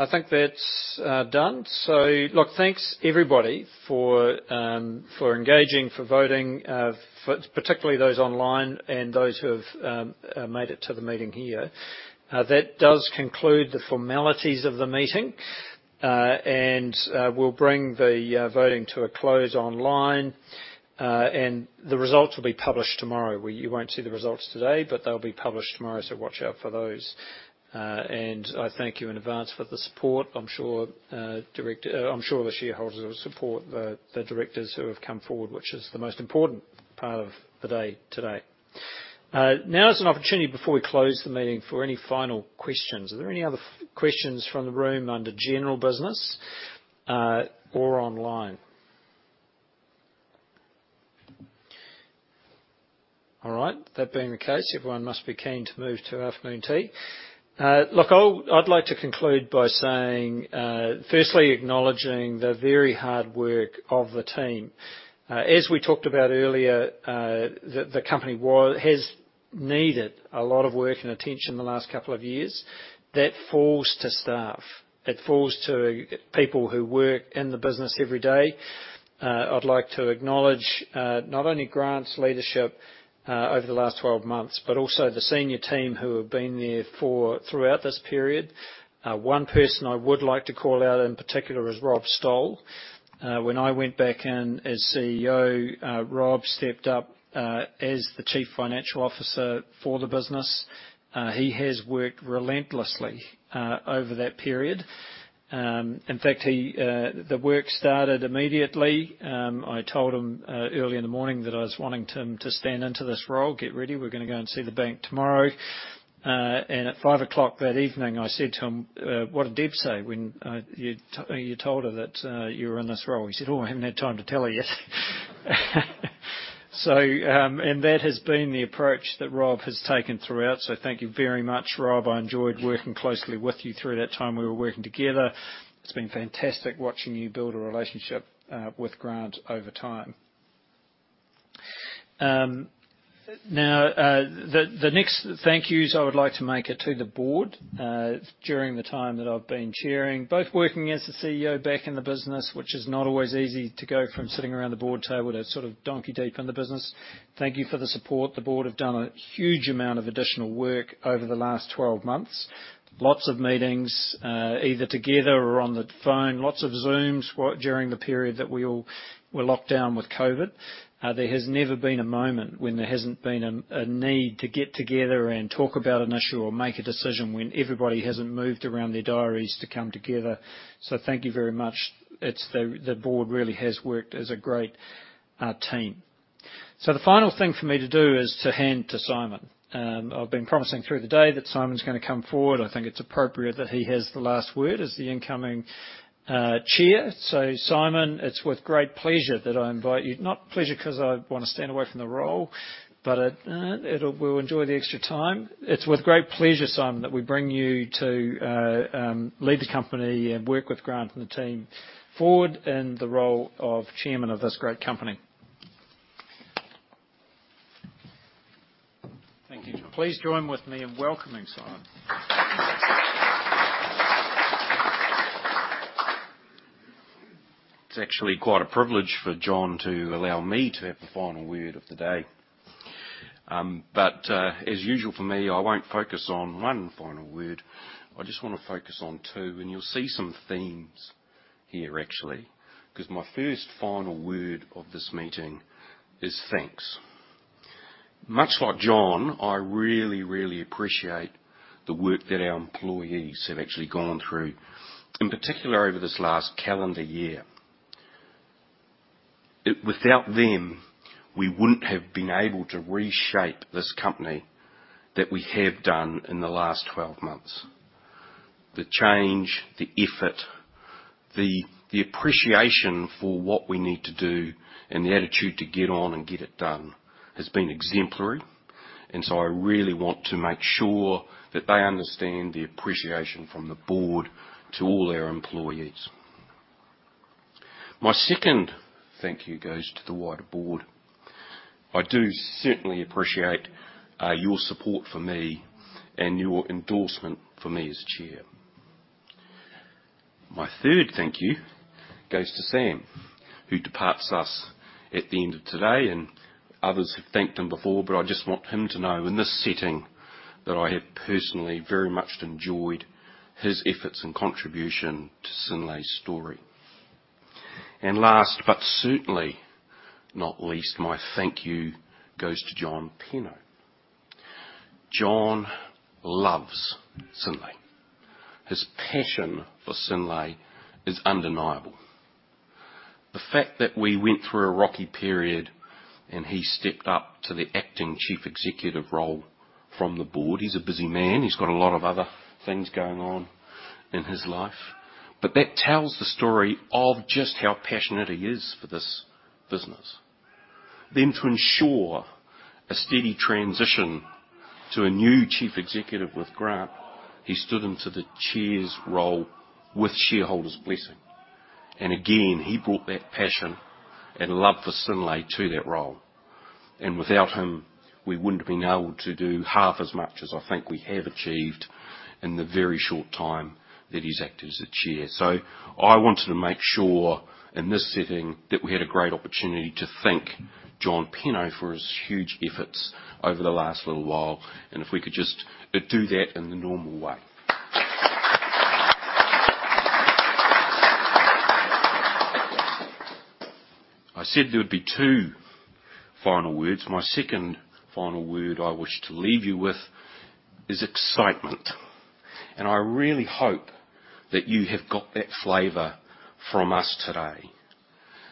All right. I think that's done. Look, thanks everybody for engaging, for voting, particularly those online and those who have made it to the meeting here. That does conclude the formalities of the meeting. And we'll bring the voting to a close online. And the results will be published tomorrow, where you won't see the results today, but they'll be published tomorrow. Watch out for those. And I thank you in advance for the support. I'm sure the shareholders will support the directors who have come forward, which is the most important part of the day today. Now is an opportunity, before we close the meeting, for any final questions. Are there any other questions from the room under general business or online? All right. That being the case, everyone must be keen to move to afternoon tea. Look, I'd like to conclude by saying, firstly, acknowledging the very hard work of the team. As we talked about earlier, the company has needed a lot of work and attention in the last couple of years. That falls to staff. It falls to people who work in the business every day. I'd like to acknowledge, not only Grant's leadership, over the last 12 months, but also the senior team who have been there for throughout this period. One person I would like to call out in particular is Rob Stowell. When I went back in as CEO, Rob stepped up as the Chief Financial Officer for the business. He has worked relentlessly over that period. In fact, the work started immediately. I told him early in the morning that I was wanting him to stand into this role. "Get ready. We're gonna go and see the bank tomorrow." At 5:00 that evening, I said to him, "What did Deb say when you told her that you were in this role?" He said, "Oh, I haven't had time to tell her yet." That has been the approach that Rob has taken throughout. Thank you very much, Rob. I enjoyed working closely with you through that time we were working together. It's been fantastic watching you build a relationship with Grant over time. Now, the next thank yous I would like to make are to the board during the time that I've been chairing, both working as the CEO back in the business, which is not always easy to go from sitting around the board table to sort of donkey deep in the business. Thank you for the support. The board have done a huge amount of additional work over the last 12 months. Lots of meetings, either together or on the phone. Lots of Zooms during the period that we all were locked down with COVID. There has never been a moment when there hasn't been a need to get together and talk about an issue or make a decision when everybody hasn't moved around their diaries to come together. Thank you very much. The board really has worked as a great team. The final thing for me to do is to hand to Simon. I've been promising through the day that Simon's gonna come forward. I think it's appropriate that he has the last word as the incoming Chair. Simon, it's with great pleasure that I invite you. Not pleasure cause I wanna stand away from the role, but we'll enjoy the extra time. It's with great pleasure, Simon, that we bring you to lead the company and work with Grant and the team forward in the role of Chairman of this great company. Thank you, John. Please join with me in welcoming Simon. It's actually quite a privilege for John to allow me to have the final word of the day. As usual for me, I won't focus on 1 final word. I just wanna focus on 2, and you'll see some themes here actually, cause my first final word of this meeting is thanks. Much like John, I really, really appreciate the work that our employees have actually gone through, in particular over this last calendar year. Without them, we wouldn't have been able to reshape this company that we have done in the last 12 months. The change, the effort, the appreciation for what we need to do, and the attitude to get on and get it done has been exemplary. I really want to make sure that they understand the appreciation from the board to all our employees. My second thank you goes to the wider board. I do certainly appreciate your support for me and your endorsement for me as chair. My third thank you goes to Sam Knowles, who departs us at the end of today, and others have thanked him before, but I just want him to know in this setting that I have personally very much enjoyed his efforts and contribution to Synlait's story. Last, but certainly not least, my thank you goes to John Penno. John loves Synlait. His passion for Synlait is undeniable. The fact that we went through a rocky period, and he stepped up to the acting chief executive role from the board. He's a busy man. He's got a lot of other things going on in his life. That tells the story of just how passionate he is for this business. To ensure a steady transition to a new Chief Executive with Grant, he stood into the Chair's role with shareholders' blessing. Again, he brought that passion and love for Synlait to that role. Without him, we wouldn't have been able to do half as much as I think we have achieved in the very short time that he's acted as the Chair. I wanted to make sure in this setting that we had a great opportunity to thank John Penno for his huge efforts over the last little while, and if we could just do that in the normal way. I said there would be two final words. My second final word I wish to leave you with is excitement. I really hope that you have got that flavor from us today.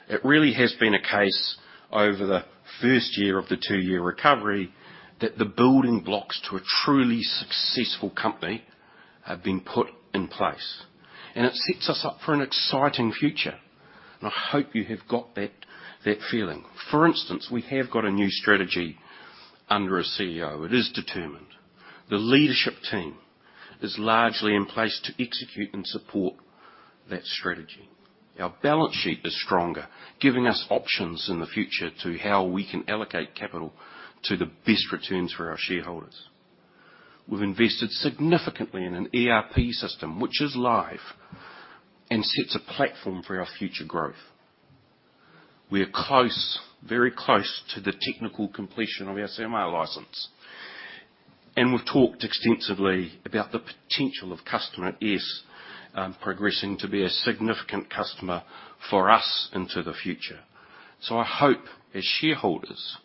It really has been a case over the first year of the 2-year recovery that the building blocks to a truly successful company have been put in place. It sets us up for an exciting future. I hope you have got that feeling. For instance, we have got a new strategy under a CEO. It is determined. The leadership team is largely in place to execute and support that strategy. Our balance sheet is stronger, giving us options in the future to how we can allocate capital to the best returns for our shareholders. We've invested significantly in an ERP system, which is live and sets a platform for our future growth. We are close, very close to the technical completion of our SAMR license. We've talked extensively about the potential of Customer S progressing to be a significant customer for us into the future. I hope, as shareholders,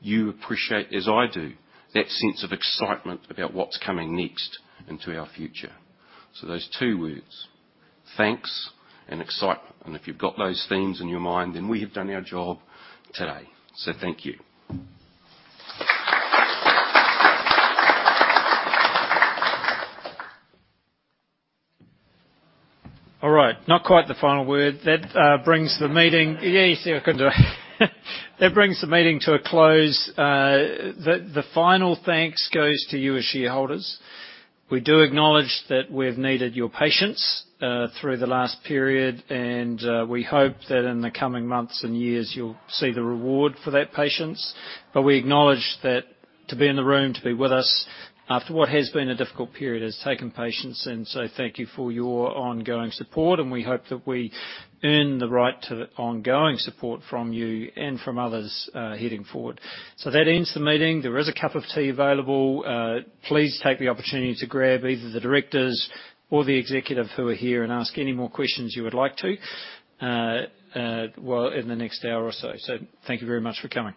you appreciate, as I do, that sense of excitement about what's coming next into our future. Those two words, thanks and excitement. If you've got those themes in your mind, then we have done our job today. Thank you. All right. Not quite the final word. Yeah, you see I couldn't do it. That brings the meeting to a close. The final thanks goes to you as shareholders. We do acknowledge that we've needed your patience through the last period, and we hope that in the coming months and years you'll see the reward for that patience. We acknowledge that to be in the room, to be with us, after what has been a difficult period, has taken patience. Thank you for your ongoing support, and we hope that we earn the right to ongoing support from you and from others, heading forward. That ends the meeting. There is a cup of tea available. Please take the opportunity to grab either the directors or the executive who are here and ask any more questions you would like to, well, in the next hour or so. Thank you very much for coming.